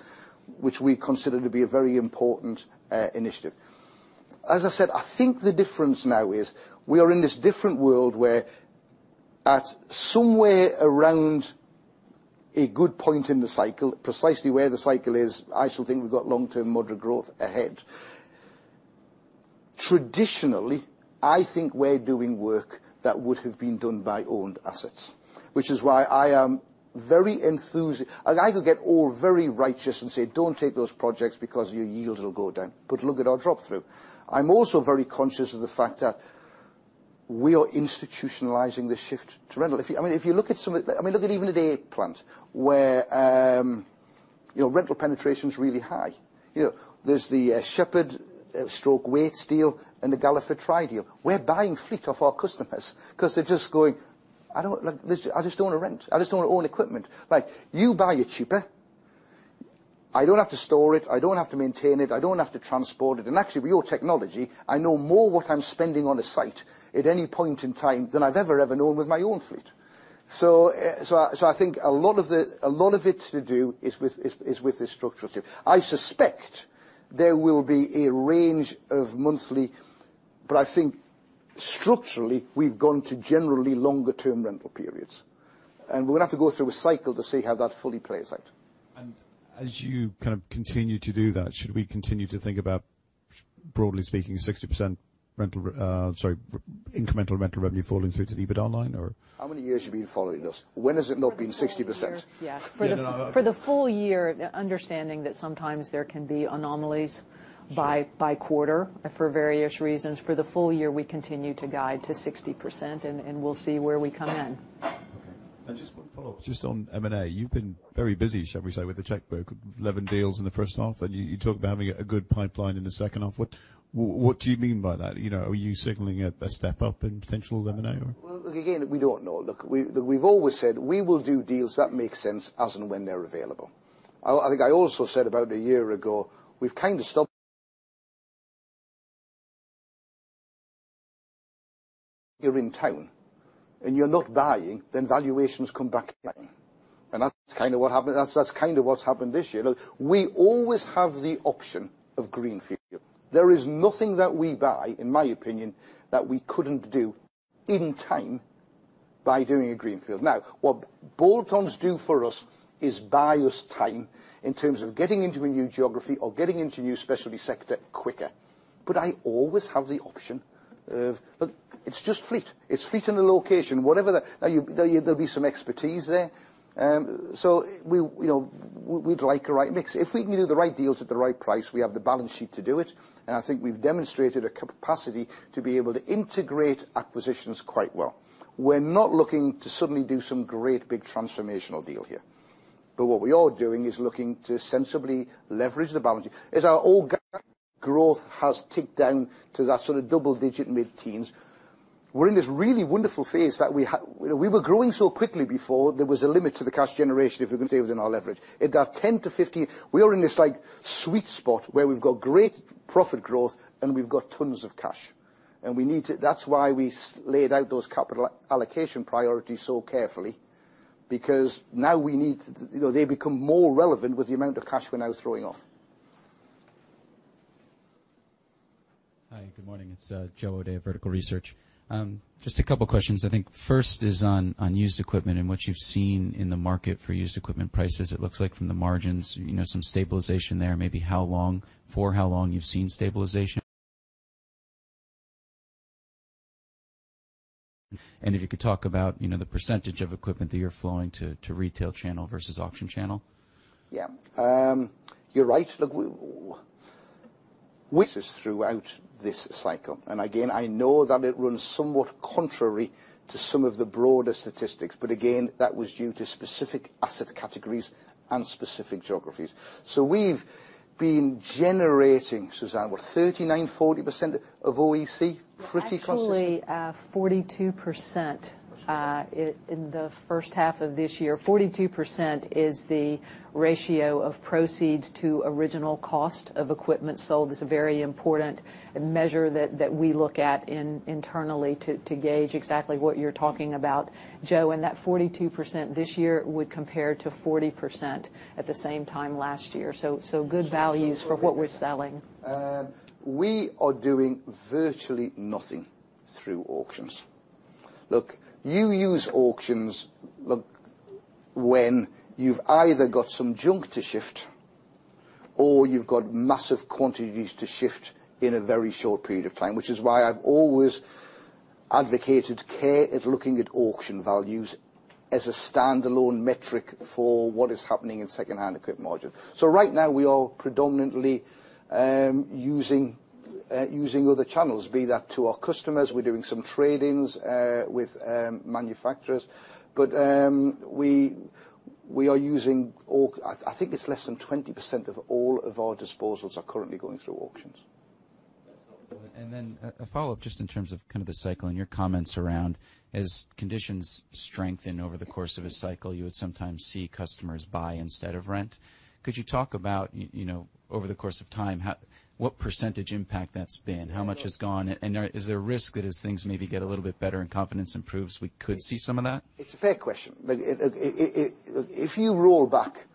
which we consider to be a very important initiative. As I said, I think the difference now is we are in this different world where at somewhere around a good point in the cycle, precisely where the cycle is, I still think we've got long-term moderate growth ahead. Traditionally, I think we're doing work that would have been done by owned assets, which is why I am very. I could get all very righteous and say, "Don't take those projects because your yields will go down," but look at our drop-through. I'm also very conscious of the fact that we are institutionalizing the shift to rental. I mean, look at even at A-Plant where rental penetration is really high. There's the Shepherd/Wates deal and the Galliford Try deal. We're buying fleet off our customers because they're just going, "I just don't want to rent. I just want to own equipment." Like you buy it cheaper. I don't have to store it. I don't have to maintain it. I don't have to transport it. Actually, with your technology, I know more what I'm spending on a site at any point in time than I've ever known with my own fleet. I think a lot of it to do is with this structure. I suspect there will be a range of monthly. I think structurally, we've gone to generally longer-term rental periods, and we're going to have to go through a cycle to see how that fully plays out. As you kind of continue to do that, should we continue to think about, broadly speaking, 60% incremental rental revenue falling through to the EBIT line or? How many years have you been following us? When has it not been 60%? For the full year. No, no. For the full year, understanding that sometimes there can be anomalies- Sure by quarter for various reasons. For the full year, we continue to guide to 60%. We'll see where we come in. Okay. Just one follow-up. Just on M&A, you've been very busy, shall we say, with the checkbook, 11 deals in the first half. You talk about having a good pipeline in the second half. What do you mean by that? Are you signaling a step-up in potential M&A or? Well, again, we don't know. Look, we've always said we will do deals that make sense as and when they're available. I think I also said about a year ago, we've kind of stopped you're in town and you're not buying, then valuations come back again. That's kind of what's happened this year. Look, we always have the option of greenfield. There is nothing that we buy, in my opinion, that we couldn't do in time by doing a greenfield. Now, what bolt-ons do for us is buy us time in terms of getting into a new geography or getting into a new specialty sector quicker. I always have the option of Look, it's just fleet. It's fleet and a location. There'll be some expertise there. We'd like a right mix. If we can do the right deals at the right price, we have the balance sheet to do it. I think we've demonstrated a capacity to be able to integrate acquisitions quite well. We're not looking to suddenly do some great big transformational deal here. What we are doing is looking to sensibly leverage the balance sheet. As our organic growth has ticked down to that sort of double-digit mid-teens, we're in this really wonderful phase that we had. We were growing so quickly before, there was a limit to the cash generation, if we can say, within our leverage. It got 10 to 15. We are in this sweet spot where we've got great profit growth and we've got tons of cash. We need to. That's why we laid out those capital allocation priorities so carefully because now we need. They become more relevant with the amount of cash we're now throwing off. Hi, good morning. It's Joe O'Dea of Vertical Research. Just a couple of questions. I think first is on used equipment and what you've seen in the market for used equipment prices. It looks like from the margins, some stabilization there, maybe for how long you've seen stabilization. If you could talk about the percentage of equipment that you're flowing to retail channel versus auction channel. Yeah. You're right. Look, which is throughout this cycle. Again, I know that it runs somewhat contrary to some of the broader statistics, but again, that was due to specific asset categories and specific geographies. We've been generating, Suzanne, what? 39%, 40% of OEC fleet. Actually, 42% 42 in the first half of this year. 42% is the ratio of proceeds to original cost of equipment sold. It's a very important measure that we look at internally to gauge exactly what you're talking about, Joe. That 42% this year would compare to 40% at the same time last year. Good values for what we're selling. We are doing virtually nothing through auctions. Look, you use auctions when you've either got some junk to shift or you've got massive quantities to shift in a very short period of time, which is why I've always advocated care at looking at auction values as a standalone metric for what is happening in secondhand equipment margin. Right now, we are predominantly using other channels, be that to our customers. We're doing some trade-ins with manufacturers. I think it's less than 20% of all of our disposals are currently going through auctions. A follow-up just in terms of the cycle and your comments around as conditions strengthen over the course of a cycle, you would sometimes see customers buy instead of rent. Could you talk about over the course of time, what percentage impact that's been? How much has gone, and is there a risk that as things maybe get a little bit better and confidence improves, we could see some of that? It's a fair question. If you roll back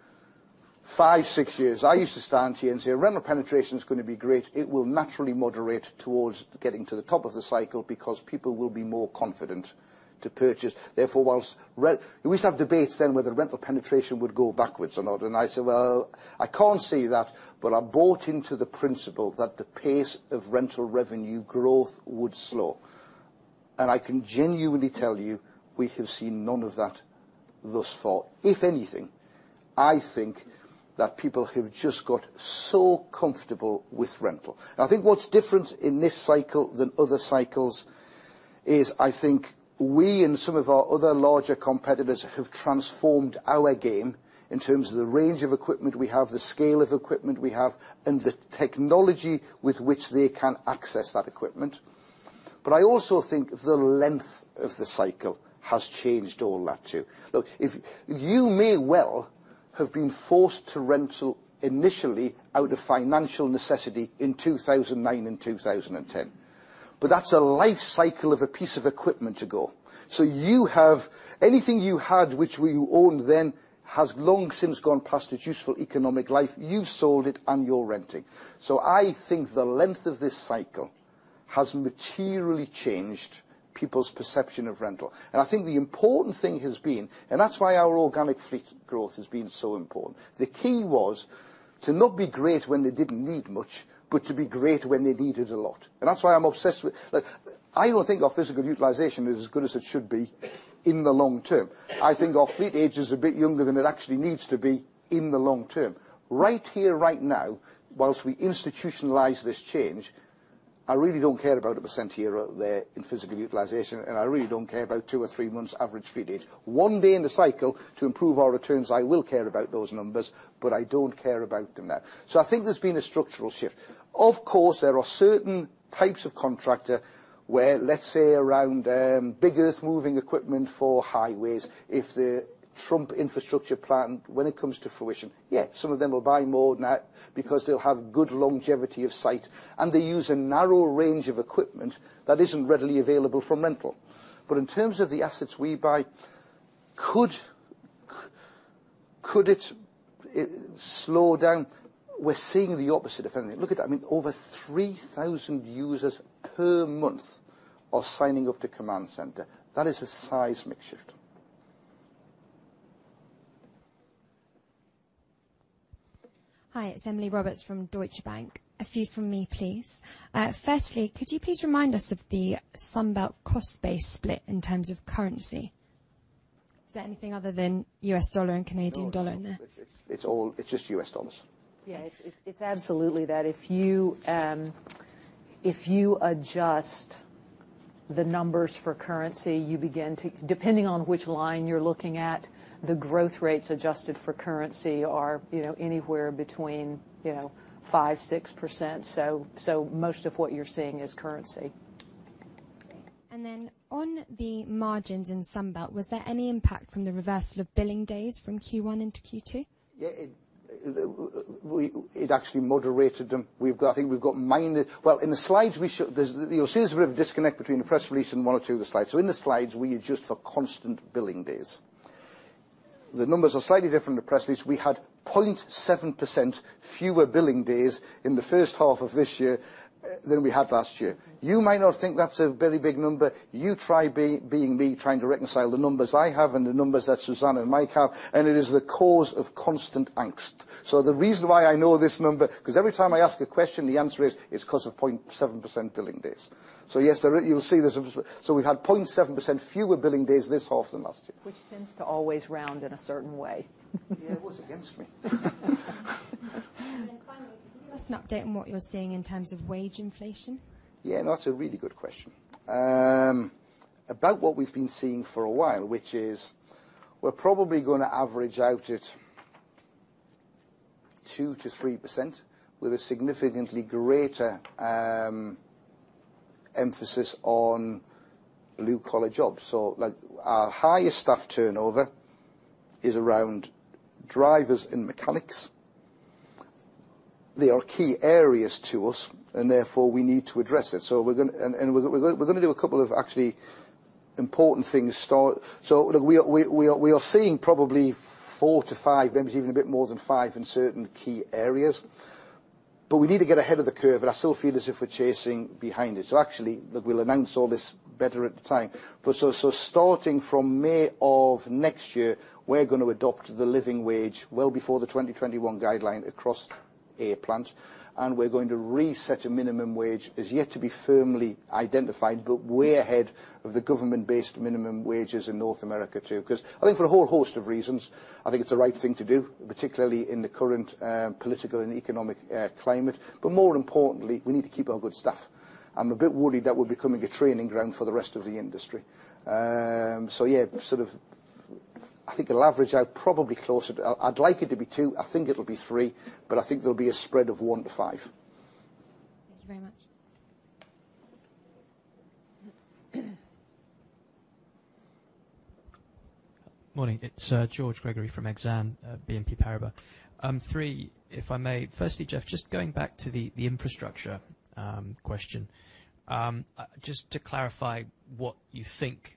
five, six years, I used to stand here and say, "Rental penetration is going to be great. It will naturally moderate towards getting to the top of the cycle because people will be more confident to purchase." Therefore, whilst we used to have debates then whether rental penetration would go backwards or not, and I said, "Well, I can't see that," but I bought into the principle that the pace of rental revenue growth would slow. I can genuinely tell you, we have seen none of that thus far. If anything, I think that people have just got so comfortable with rental. I think what's different in this cycle than other cycles is, I think, we and some of our other larger competitors have transformed our game in terms of the range of equipment we have, the scale of equipment we have, and the technology with which they can access that equipment. I also think the length of the cycle has changed all that too. Look, you may well have been forced to rental initially out of financial necessity in 2009 and 2010, but that's a life cycle of a piece of equipment ago. You have anything you had, which you owned then, has long since gone past its useful economic life. You've sold it, and you're renting. I think the length of this cycle has materially changed people's perception of rental. I think the important thing has been, and that's why our organic fleet growth has been so important, the key was to not be great when they didn't need much, but to be great when they needed a lot. That's why I'm obsessed with Look, I don't think our physical utilization is as good as it should be in the long term. I think our fleet age is a bit younger than it actually needs to be in the long term. Right here, right now, whilst we institutionalize this change, I really don't care about 1% here or there in physical utilization, and I really don't care about two or three months average fleet age. One day in the cycle to improve our returns, I will care about those numbers, but I don't care about them now. I think there's been a structural shift. Of course, there are certain types of contractor where, let's say around big earth-moving equipment for highways, if the Trump infrastructure plan, when it comes to fruition, yeah, some of them will buy more than that because they'll have good longevity of site, and they use a narrow range of equipment that isn't readily available for rental. In terms of the assets we buy, could it slow down? We're seeing the opposite, if anything. Look at that, over 3,000 users per month are signing up to Command Center. That is a seismic shift. Hi, it's Emily Roberts from Deutsche Bank. A few from me, please. Firstly, could you please remind us of the Sunbelt cost base split in terms of currency? Is there anything other than US dollar and Canadian dollar in there? No. It's just US dollars. Yeah. It's absolutely that. If you adjust the numbers for currency, depending on which line you're looking at, the growth rates adjusted for currency are anywhere between 5%, 6%. Most of what you're seeing is currency. On the margins in Sunbelt, was there any impact from the reversal of billing days from Q1 into Q2? It actually moderated them. You'll see there's a bit of a disconnect between the press release and one or two of the slides. In the slides, we adjust for constant billing days. The numbers are slightly different in the press release. We had 0.7% fewer billing days in the first half of this year than we had last year. You might not think that's a very big number. You try being me trying to reconcile the numbers I have and the numbers that Suzanne and Mike have, and it is the cause of constant angst. The reason why I know this number, because every time I ask a question, the answer is, "It's because of 0.7% billing days." Yes, you'll see this. We had 0.7% fewer billing days this half than last year. Which tends to always round in a certain way. It was against me. Then finally, could you give us an update on what you're seeing in terms of wage inflation? Yeah, that's a really good question. About what we've been seeing for a while, which is we're probably going to average out at 2%-3% with a significantly greater emphasis on blue-collar jobs. Our highest staff turnover is around drivers and mechanics. They are key areas to us, and therefore, we need to address it. We're going to do a couple of actually important things. We are seeing probably four to five, maybe it's even a bit more than five in certain key areas. We need to get ahead of the curve, and I still feel as if we're chasing behind it. We'll announce all this better at the time. Starting from May of next year, we're going to adopt the living wage well before the 2021 guideline across our plants, and we're going to reset a minimum wage. It's yet to be firmly identified, but we're ahead of the government-based minimum wages in North America, too. I think for a whole host of reasons, I think it's the right thing to do, particularly in the current political and economic climate. More importantly, we need to keep our good staff. I'm a bit worried that we're becoming a training ground for the rest of the industry. Yeah, I think it'll average out probably closer to I'd like it to be two, I think it'll be three, but I think there'll be a spread of one to five. Thank you very much. Morning. It's George Gregory from Exane BNP Paribas. Three, if I may. Firstly, Jeff, just going back to the infrastructure question. Just to clarify what you think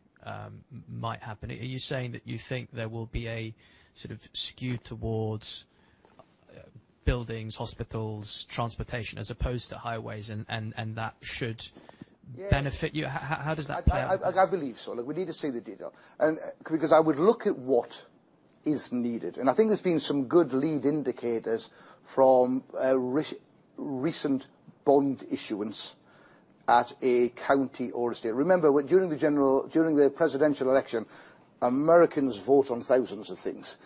might happen, are you saying that you think there will be a sort of skew towards buildings, hospitals, transportation, as opposed to highways, and that should benefit you? Yeah. How does that play out? I believe so. Look, we need to see the data. I would look at what is needed. I think there's been some good lead indicators from recent bond issuance at a county or a state. Remember, during the presidential election, Americans vote on thousands of things,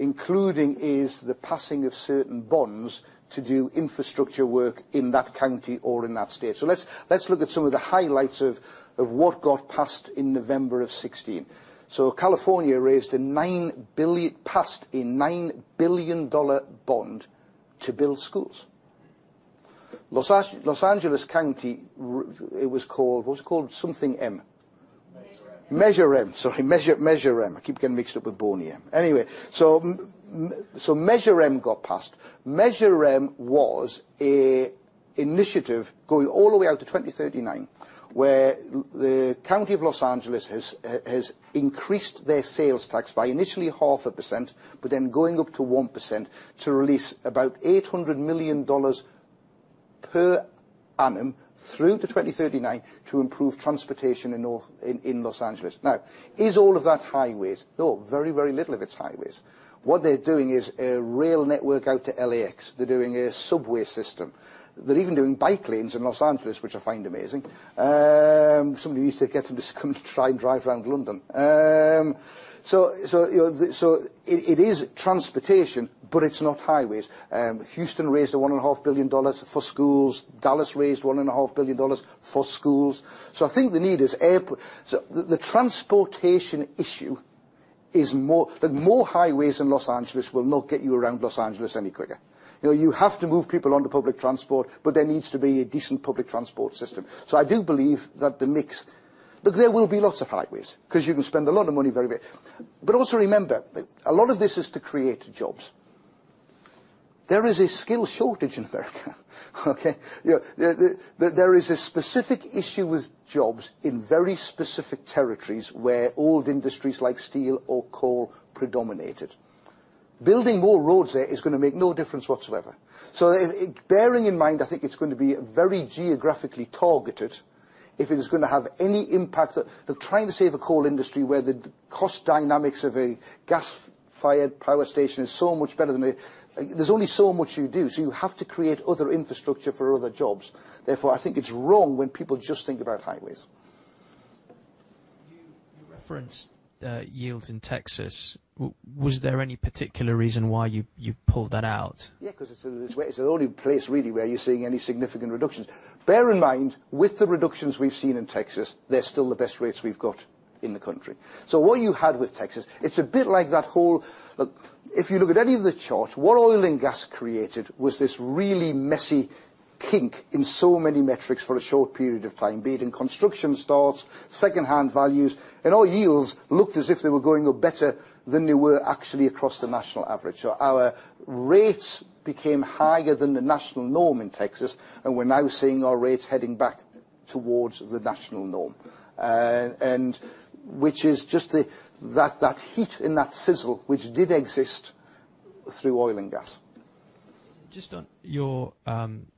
including is the passing of certain bonds to do infrastructure work in that county or in that state. Let's look at some of the highlights of what got passed in November of 2016. California passed a $9 billion bond to build schools. Los Angeles County, it was called something M. Measure M. Measure M. Sorry. Measure M. I keep getting mixed up with Boney M. Anyway, Measure M got passed. Measure M was an initiative going all the way out to 2039, where the County of Los Angeles has increased their sales tax by initially 0.5%, but then going up to 1% to release about $800 million per annum through to 2039 to improve transportation in Los Angeles. Is all of that highways? No, very, very little of it is highways. What they're doing is a rail network out to L.A.X. They're doing a subway system. They're even doing bike lanes in Los Angeles, which I find amazing. Somebody needs to get them to come to try and drive around London. It is transportation, but it's not highways. Houston raised $1.5 billion for schools. Dallas raised $1.5 billion for schools. I think the transportation issue is that more highways in Los Angeles will not get you around Los Angeles any quicker. You have to move people onto public transport, but there needs to be a decent public transport system. I do believe that the mix. Look, there will be lots of highways because you can spend a lot of money very quick. Also remember that a lot of this is to create jobs. There is a skill shortage in America. Okay? There is a specific issue with jobs in very specific territories where old industries like steel or coal predominated. Building more roads there is going to make no difference whatsoever. Bearing in mind, I think it's going to be very geographically targeted if it is going to have any impact. They're trying to save a coal industry where the cost dynamics of a gas-fired power station is so much better than. There's only so much you do, so you have to create other infrastructure for other jobs. I think it's wrong when people just think about highways. You referenced yields in Texas. Was there any particular reason why you pulled that out? Yeah, because it's the only place really where you're seeing any significant reductions. Bear in mind, with the reductions we've seen in Texas, they're still the best rates we've got in the country. What you had with Texas, it's a bit like that whole. Look, if you look at any of the charts, what oil and gas created was this really messy kink in so many metrics for a short period of time, be it in construction starts, second-hand values, and all yields looked as if they were going up better than they were actually across the national average. Our rates became higher than the national norm in Texas, and we're now seeing our rates heading back towards the national norm. Which is just that heat and that sizzle, which did exist through oil and gas. Just on your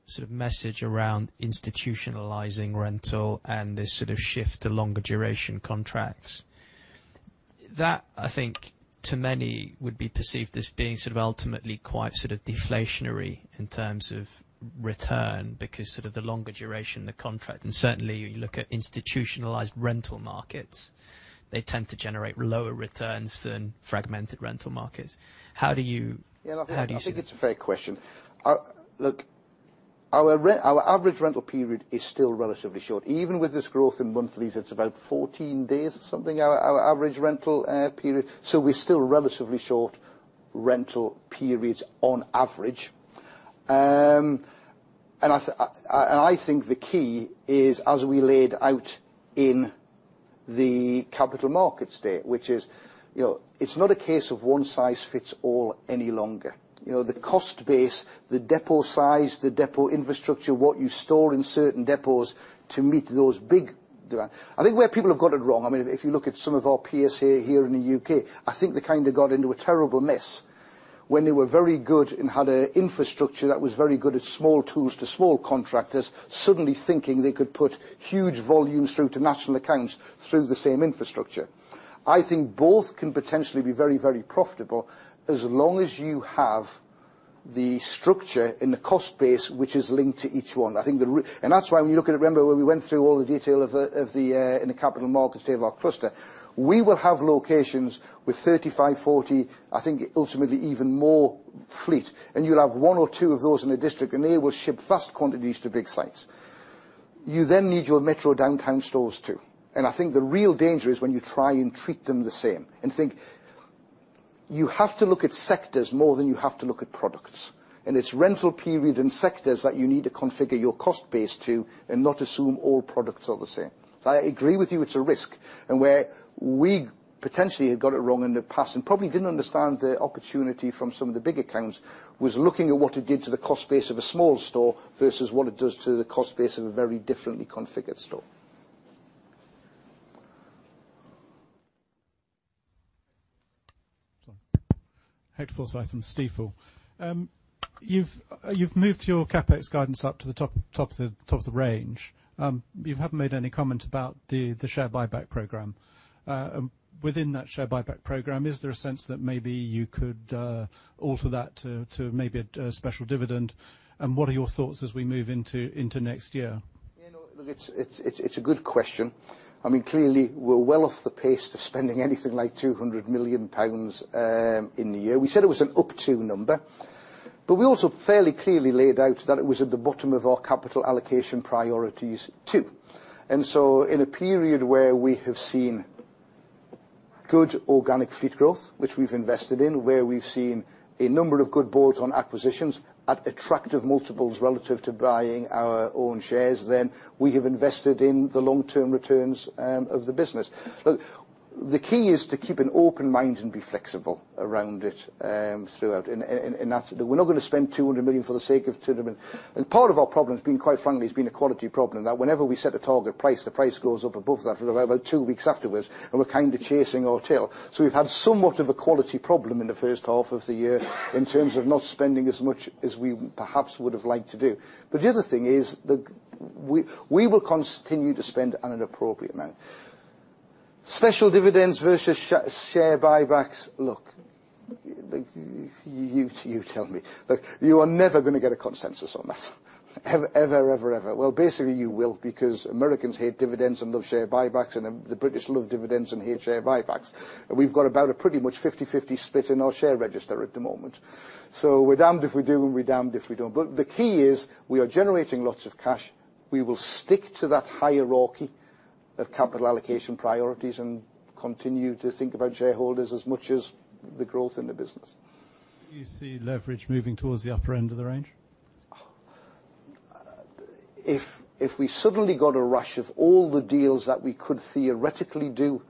sort of message around institutionalizing rental and this sort of shift to longer duration contracts. That, I think, to many, would be perceived as being sort of ultimately quite deflationary in terms of return because sort of the longer duration of the contract, and certainly you look at institutionalized rental markets, they tend to generate lower returns than fragmented rental markets. How do you see it? I think it's a fair question. Look, our average rental period is still relatively short. Even with this growth in monthly, it's about 14 days or something, our average rental period. We're still relatively short rental periods on average. I think the key is as we laid out in the Capital Markets Day, which is it's not a case of one size fits all any longer. The cost base, the depot size, the depot infrastructure, what you store in certain depots to meet those big demand. I think where people have got it wrong, if you look at some of our peers here in the U.K., I think they kind of got into a terrible mess when they were very good and had an infrastructure that was very good at small tools to small contractors, suddenly thinking they could put huge volumes through to national accounts through the same infrastructure. I think both can potentially be very, very profitable as long as you have the structure and the cost base which is linked to each one. That's why when you look at, remember, when we went through all the detail in the Capital Markets Day of our cluster. We will have locations with 35, 40, I think, ultimately even more fleet, and you'll have one or two of those in a district, and they will ship vast quantities to big sites. You then need your metro downtown stores, too. I think the real danger is when you try and treat them the same and think you have to look at sectors more than you have to look at products. It's rental period and sectors that you need to configure your cost base to and not assume all products are the same. I agree with you it's a risk, and where we potentially have got it wrong in the past and probably didn't understand the opportunity from some of the big accounts, was looking at what it did to the cost base of a small store versus what it does to the cost base of a very differently configured store. Sorry. Hector Forsyth from Stifel. You've moved your CapEx guidance up to the top of the range. You haven't made any comment about the share buyback program. Within that share buyback program, is there a sense that maybe you could alter that to maybe a special dividend? What are your thoughts as we move into next year? It's a good question. Clearly, we're well off the pace to spending anything like 200 million pounds in the year. We said it was an up to number. We also fairly clearly laid out that it was at the bottom of our capital allocation priorities too. In a period where we have seen good organic fleet growth, which we've invested in, where we've seen a number of good bolt-on acquisitions at attractive multiples relative to buying our own shares, then we have invested in the long-term returns of the business. Look, the key is to keep an open mind and be flexible around it throughout. We're not going to spend 200 million for the sake of 200 million. Part of our problem has been, quite frankly, a quality problem, that whenever we set a target price, the price goes up above that for about two weeks afterwards, and we're kind of chasing our tail. We've had somewhat of a quality problem in the first half of the year in terms of not spending as much as we perhaps would have liked to do. The other thing is we will continue to spend at an appropriate amount. Special dividends versus share buybacks. Look, you tell me. Look, you are never going to get a consensus on that, ever. Well, basically you will because Americans hate dividends and love share buybacks and the British love dividends and hate share buybacks. We've got about a pretty much 50/50 split in our share register at the moment. We're damned if we do and we're damned if we don't. But the key is we are generating lots of cash. We will stick to that hierarchy of capital allocation priorities and continue to think about shareholders as much as the growth in the business. Do you see leverage moving towards the upper end of the range? If we suddenly got a rush of all the deals that we could theoretically do,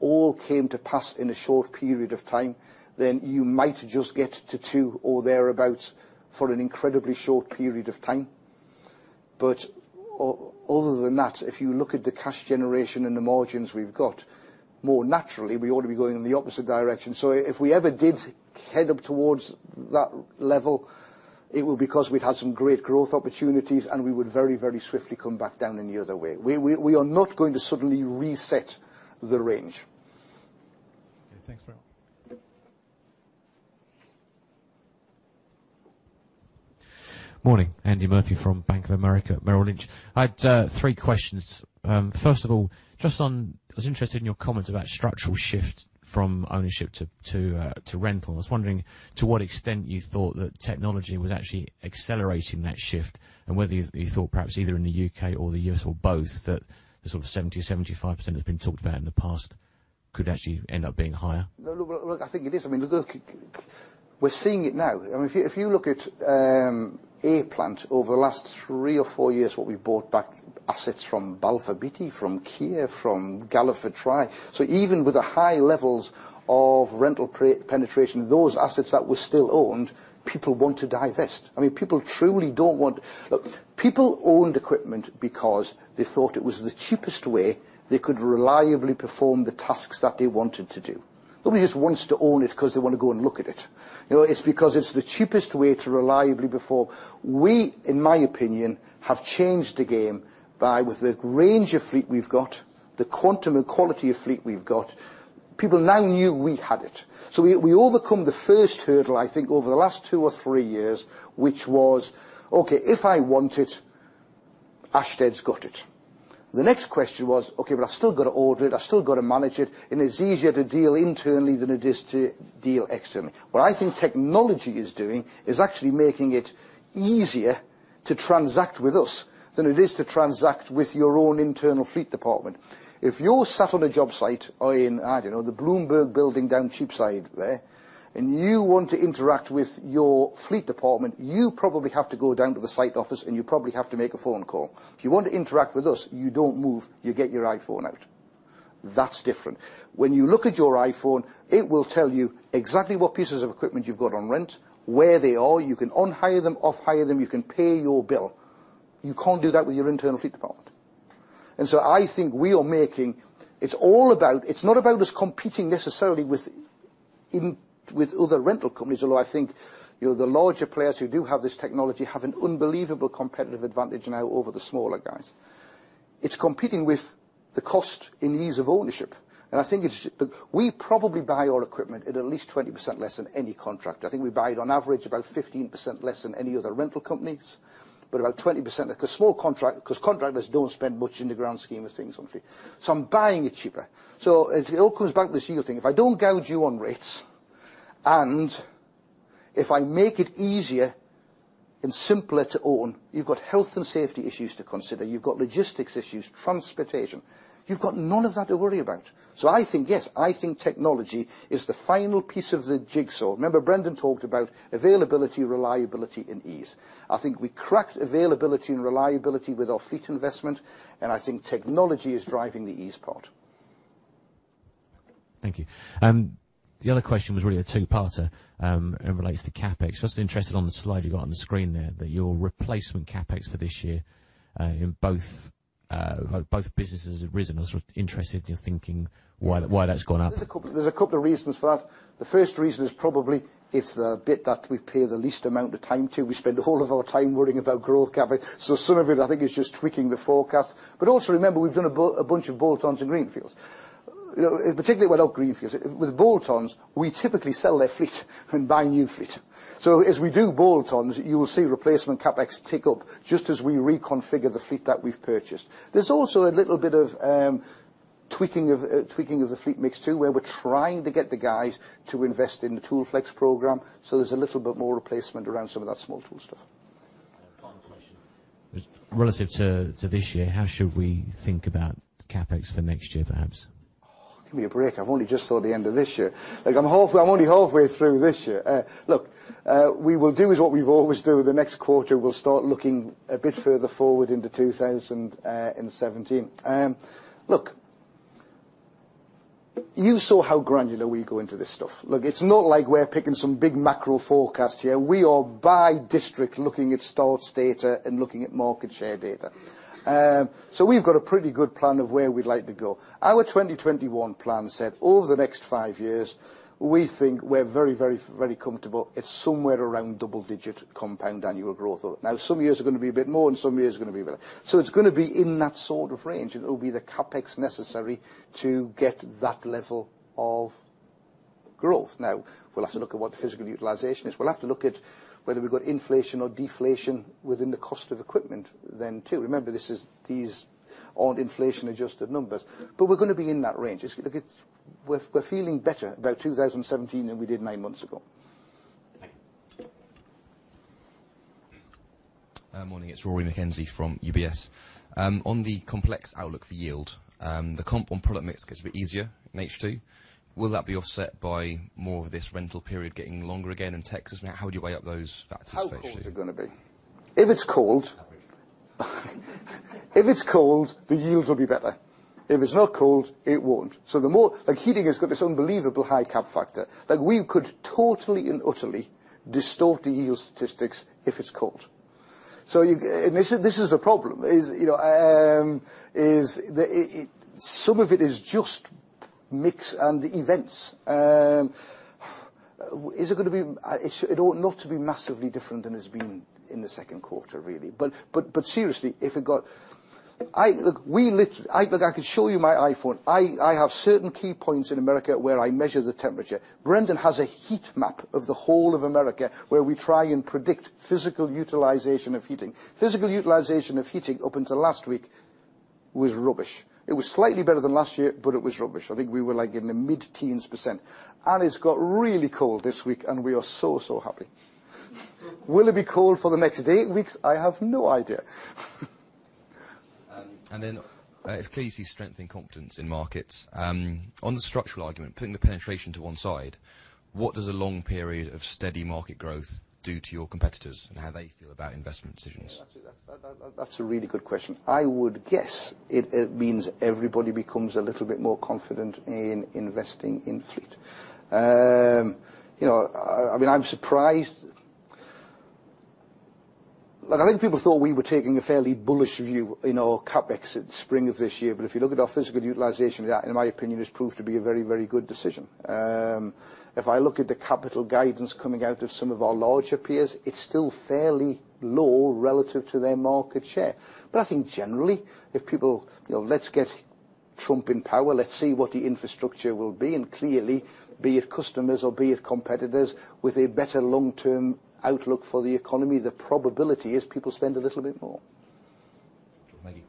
all came to pass in a short period of time, then you might just get to two or thereabout for an incredibly short period of time. Other than that, if you look at the cash generation and the margins we've got, more naturally we ought to be going in the opposite direction. If we ever did head up towards that level, it will because we'd had some great growth opportunities and we would very swiftly come back down in the other way. We are not going to suddenly reset the range. Okay, thanks very much. Morning. Andy Murphy from Bank of America Merrill Lynch. I had three questions. I was interested in your comment about structural shifts from ownership to rental. I was wondering to what extent you thought that technology was actually accelerating that shift and whether you thought perhaps either in the U.K. or the U.S. or both that the sort of 70%-75% that's been talked about in the past could actually end up being higher? I think it is. We're seeing it now. If you look at A-Plant over the last three or four years, what we bought back assets from Balfour Beatty, from Kier, from Galliford Try. Even with the high levels of rental penetration, those assets that were still owned, people want to divest. People owned equipment because they thought it was the cheapest way they could reliably perform the tasks that they wanted to do. Nobody just wants to own it because they want to go and look at it. It's because it's the cheapest way to reliably perform. We, in my opinion, have changed the game by with the range of fleet we've got, the quantum and quality of fleet we've got. People now knew we had it. We overcome the first hurdle I think over the last two or three years which was, okay, if I want it, Ashtead's got it. The next question was, okay, but I still got to order it, I still got to manage it, and it's easier to deal internally than it is to deal externally. What I think technology is doing is actually making it easier to transact with us than it is to transact with your own internal fleet department. If you're sat on a job site or in, I don't know, the Bloomberg building down Cheapside there, and you want to interact with your fleet department, you probably have to go down to the site office and you probably have to make a phone call. If you want to interact with us, you don't move, you get your iPhone out. That's different. When you look at your iPhone, it will tell you exactly what pieces of equipment you've got on rent, where they are. You can on-hire them, off-hire them, you can pay your bill. You can't do that with your internal fleet department. I think we are making-- It's not about us competing necessarily even with other rental companies, although I think the larger players who do have this technology have an unbelievable competitive advantage now over the smaller guys. It's competing with the cost and ease of ownership. We probably buy our equipment at at least 20% less than any contractor. I think we buy it on average about 15% less than any other rental companies, but about 20% because contractors don't spend much in the grand scheme of things on fleet. I'm buying it cheaper. It all comes back to the same thing. If I don't gouge you on rates and if I make it easier and simpler to own, you've got health and safety issues to consider. You've got logistics issues, transportation. You've got none of that to worry about. I think, yes, I think technology is the final piece of the jigsaw. Remember Brendan talked about availability, reliability and ease. I think we cracked availability and reliability with our fleet investment and I think technology is driving the ease part. Thank you. The other question was really a two-parter and relates to CapEx. Just interested on the slide you got on the screen there that your replacement CapEx for this year in both businesses have risen. I was interested in your thinking why that's gone up. There's a couple of reasons for that. The first reason is probably it's the bit that we pay the least amount of time to. We spend all of our time worrying about growth CapEx. Some of it I think is just tweaking the forecast. Also remember we've done a bunch of bolt-ons and greenfields. Particularly with greenfields. With bolt-ons, we typically sell their fleet and buy new fleet. As we do bolt-ons, you will see replacement CapEx tick up just as we reconfigure the fleet that we've purchased. There's also a little bit of tweaking of the fleet mix, too, where we're trying to get the guys to invest in the ToolFlex program, so there's a little bit more replacement around some of that small tool stuff. One question. Relative to this year, how should we think about CapEx for next year, perhaps? Give me a break. I've only just saw the end of this year. I'm only halfway through this year. We will do is what we've always do. The next quarter, we'll start looking a bit further forward into 2017. You saw how granular we go into this stuff. It's not like we're picking some big macro forecast here. We are by district looking at starts data and looking at market share data. We've got a pretty good plan of where we'd like to go. Our 2021 plan said over the next five years, we think we're very comfortable. It's somewhere around double-digit compound annual growth. Some years are going to be a bit more and some years are going to be better. It's going to be in that sort of range, and it will be the CapEx necessary to get that level of growth. We'll have to look at what the physical utilization is. We'll have to look at whether we've got inflation or deflation within the cost of equipment then, too. Remember, these aren't inflation-adjusted numbers. We're going to be in that range. We're feeling better about 2017 than we did nine months ago. Thank you. Yeah. Morning, it's Rory McKenzie from UBS. On the complex outlook for yield, the component product mix gets a bit easier in H2. Will that be offset by more of this rental period getting longer again in Texas? How would you weigh up those factors, especially? How cold is it going to be? If it's cold- Average. If it's cold, the yields will be better. If it's not cold, it won't. Heating has got this unbelievable high cap factor, that we could totally and utterly distort the yield statistics if it's cold. This is the problem is some of it is just mix and events. It ought not to be massively different than it's been in the second quarter, really. Seriously, look, I could show you my iPhone. I have certain key points in America where I measure the temperature. Brendan has a heat map of the whole of America, where we try and predict physical utilization of heating. Physical utilization of heating up until last week was rubbish. It was slightly better than last year, but it was rubbish. I think we were like in the mid-teens %. It's got really cold this week, and we are so happy. Will it be cold for the next eight weeks? I have no idea. If clearly see strength and confidence in markets, on the structural argument, putting the penetration to one side, what does a long period of steady market growth do to your competitors and how they feel about investment decisions? Actually, that's a really good question. I would guess it means everybody becomes a little bit more confident in investing in fleet. I mean, I'm surprised I think people thought we were taking a fairly bullish view in our CapEx at spring of this year, but if you look at our physical utilization, in my opinion, it's proved to be a very good decision. If I look at the capital guidance coming out of some of our larger peers, it's still fairly low relative to their market share. I think generally, let's get Trump in power. Let's see what the infrastructure will be. Clearly, be it customers or be it competitors with a better long-term outlook for the economy, the probability is people spend a little bit more. Thank you.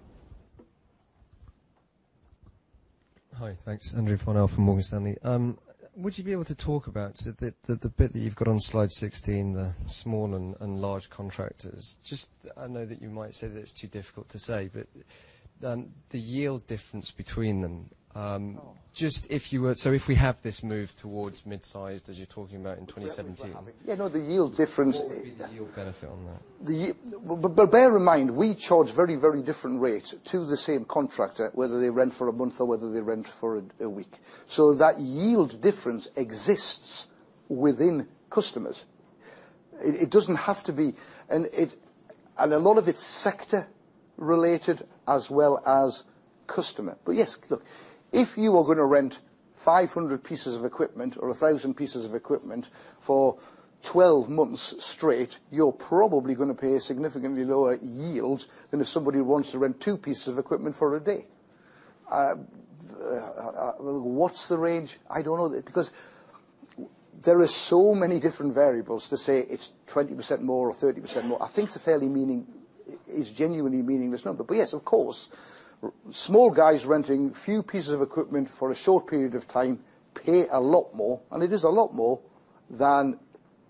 Hi. Thanks. Andrew Farnell from Morgan Stanley. Would you be able to talk about the bit that you've got on slide 16, the small and large contractors? I know that you might say that it's too difficult to say, but the yield difference between them. Oh. If we have this move towards mid-sized, as you're talking about in 2017. The yield difference. What would be the yield benefit on that? Bear in mind, we charge very different rates to the same contractor, whether they rent for a month or whether they rent for a week. That yield difference exists within customers. It doesn't have to be. A lot of it's sector-related as well as customer. Yes, look, if you are going to rent 500 pieces of equipment or 1,000 pieces of equipment for 12 months straight, you're probably going to pay a significantly lower yield than if somebody wants to rent two pieces of equipment for a day. What's the range? I don't know. Because there are so many different variables to say it's 20% more or 30% more. I think it's a fairly genuinely meaningless number. Yes, of course. Small guys renting few pieces of equipment for a short period of time pay a lot more, and it is a lot more than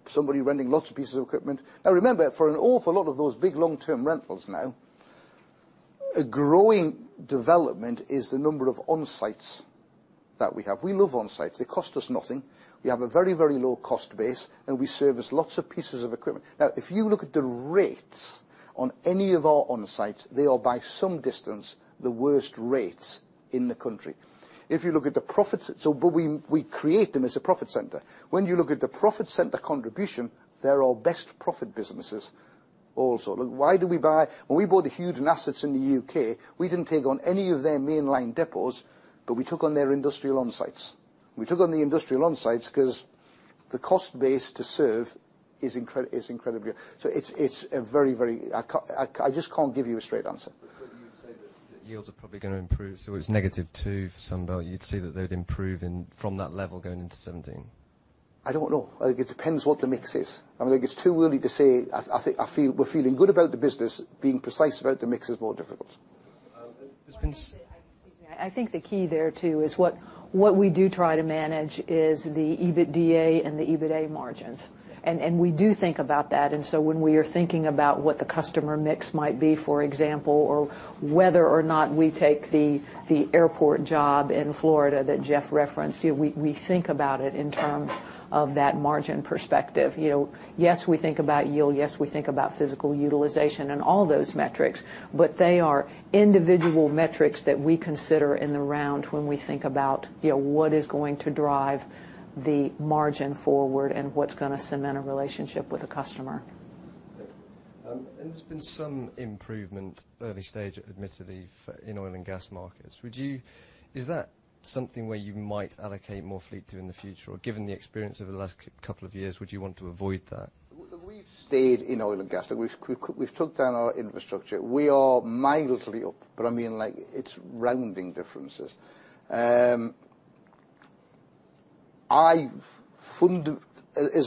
somebody renting lots of pieces of equipment. Remember, for an awful lot of those big long-term rentals now, a growing development is the number of on-sites that we have. We love on-sites. They cost us nothing. We have a very low cost base, and we service lots of pieces of equipment. If you look at the rates on any of our on-sites, they are by some distance the worst rates in the country. If you look at the profits. We create them as a profit center. When you look at the profit center contribution, they're our best profit businesses also. Why do we buy? When we bought the Hewden assets in the U.K., we didn't take on any of their mainline depots, but we took on their industrial on-sites. We took on the industrial on-sites because the cost base to serve is incredibly. I just can't give you a straight answer. You would say that yields are probably going to improve, so it's negative 2% for Sunbelt. You'd see that they'd improve from that level going into 2017. I don't know. It depends what the mix is. I think it's too early to say. We're feeling good about the business. Being precise about the mix is more difficult. There's been Excuse me. I think the key there, too, is what we do try to manage is the EBITDA and the EBITA margins. We do think about that. When we are thinking about what the customer mix might be, for example, or whether or not we take the airport job in Florida that Geoff referenced, we think about it in terms of that margin perspective. Yes, we think about yield. Yes, we think about physical utilization and all those metrics. They are individual metrics that we consider in the round when we think about what's going to drive the margin forward and what's going to cement a relationship with a customer. Thank you. There's been some improvement, early stage admittedly, in oil and gas markets. Is that something where you might allocate more fleet to in the future? Or given the experience over the last couple of years, would you want to avoid that? We've stayed in oil and gas. We've took down our infrastructure. We are mildly up, but it's rounding differences. As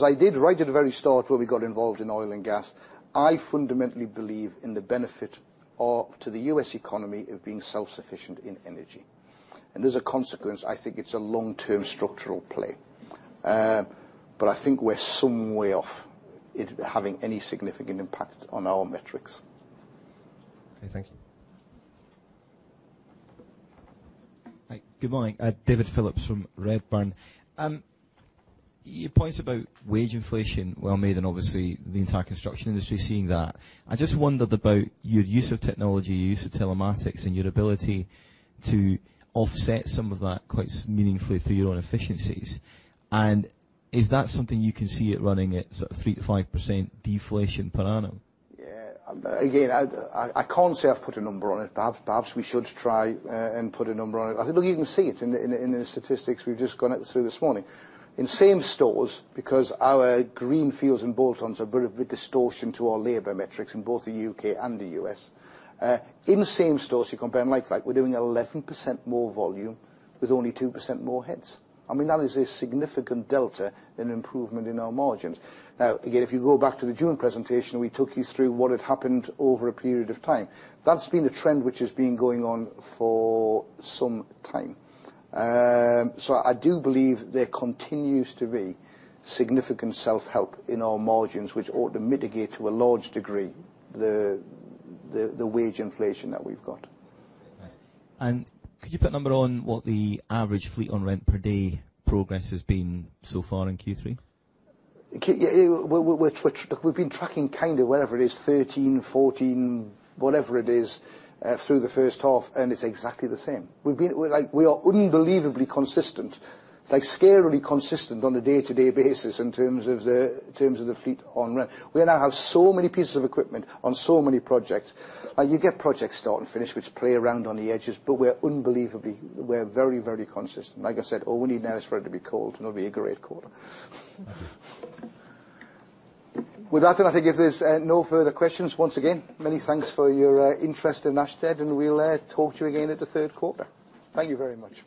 I did right at the very start when we got involved in oil and gas, I fundamentally believe in the benefit to the U.S. economy of being self-sufficient in energy. As a consequence, I think it's a long-term structural play. But I think we're some way off it having any significant impact on our metrics. Okay, thank you. Hi, good morning. David Phillips from Redburn. Your points about wage inflation, well made, and obviously the entire construction industry is seeing that. I just wondered about your use of technology, your use of telematics, and your ability to offset some of that quite meaningfully through your own efficiencies. Is that something you can see it running at sort of 3%-5% deflation per annum? Yeah. Again, I can't say I've put a number on it. Perhaps we should try and put a number on it. I think you can see it in the statistics we've just gone through this morning. In same stores, because our greenfields and bolt-ons are a bit of a distortion to our labor metrics in both the U.K. and the U.S. In same stores, you compare them like for like, we're doing 11% more volume with only 2% more heads. That is a significant delta in improvement in our margins. Now, again, if you go back to the June presentation, we took you through what had happened over a period of time. That's been a trend which has been going on for some time. I do believe there continues to be significant self-help in our margins, which ought to mitigate to a large degree the wage inflation that we've got. Nice. Could you put a number on what the average fleet on rent per day progress has been so far in Q3? We've been tracking kind of whatever it is, 13, 14, whatever it is, through the first half. It's exactly the same. We are unbelievably consistent. Like scarily consistent on a day-to-day basis in terms of the fleet on rent. We now have so many pieces of equipment on so many projects. You get projects start and finish, which play around on the edges, but we're very, very consistent. Like I said, all we need now is for it to be cold, it'll be a great quarter. With that, and I think if there's no further questions, once again, many thanks for your interest in Ashtead, and we'll talk to you again at the third quarter. Thank you very much.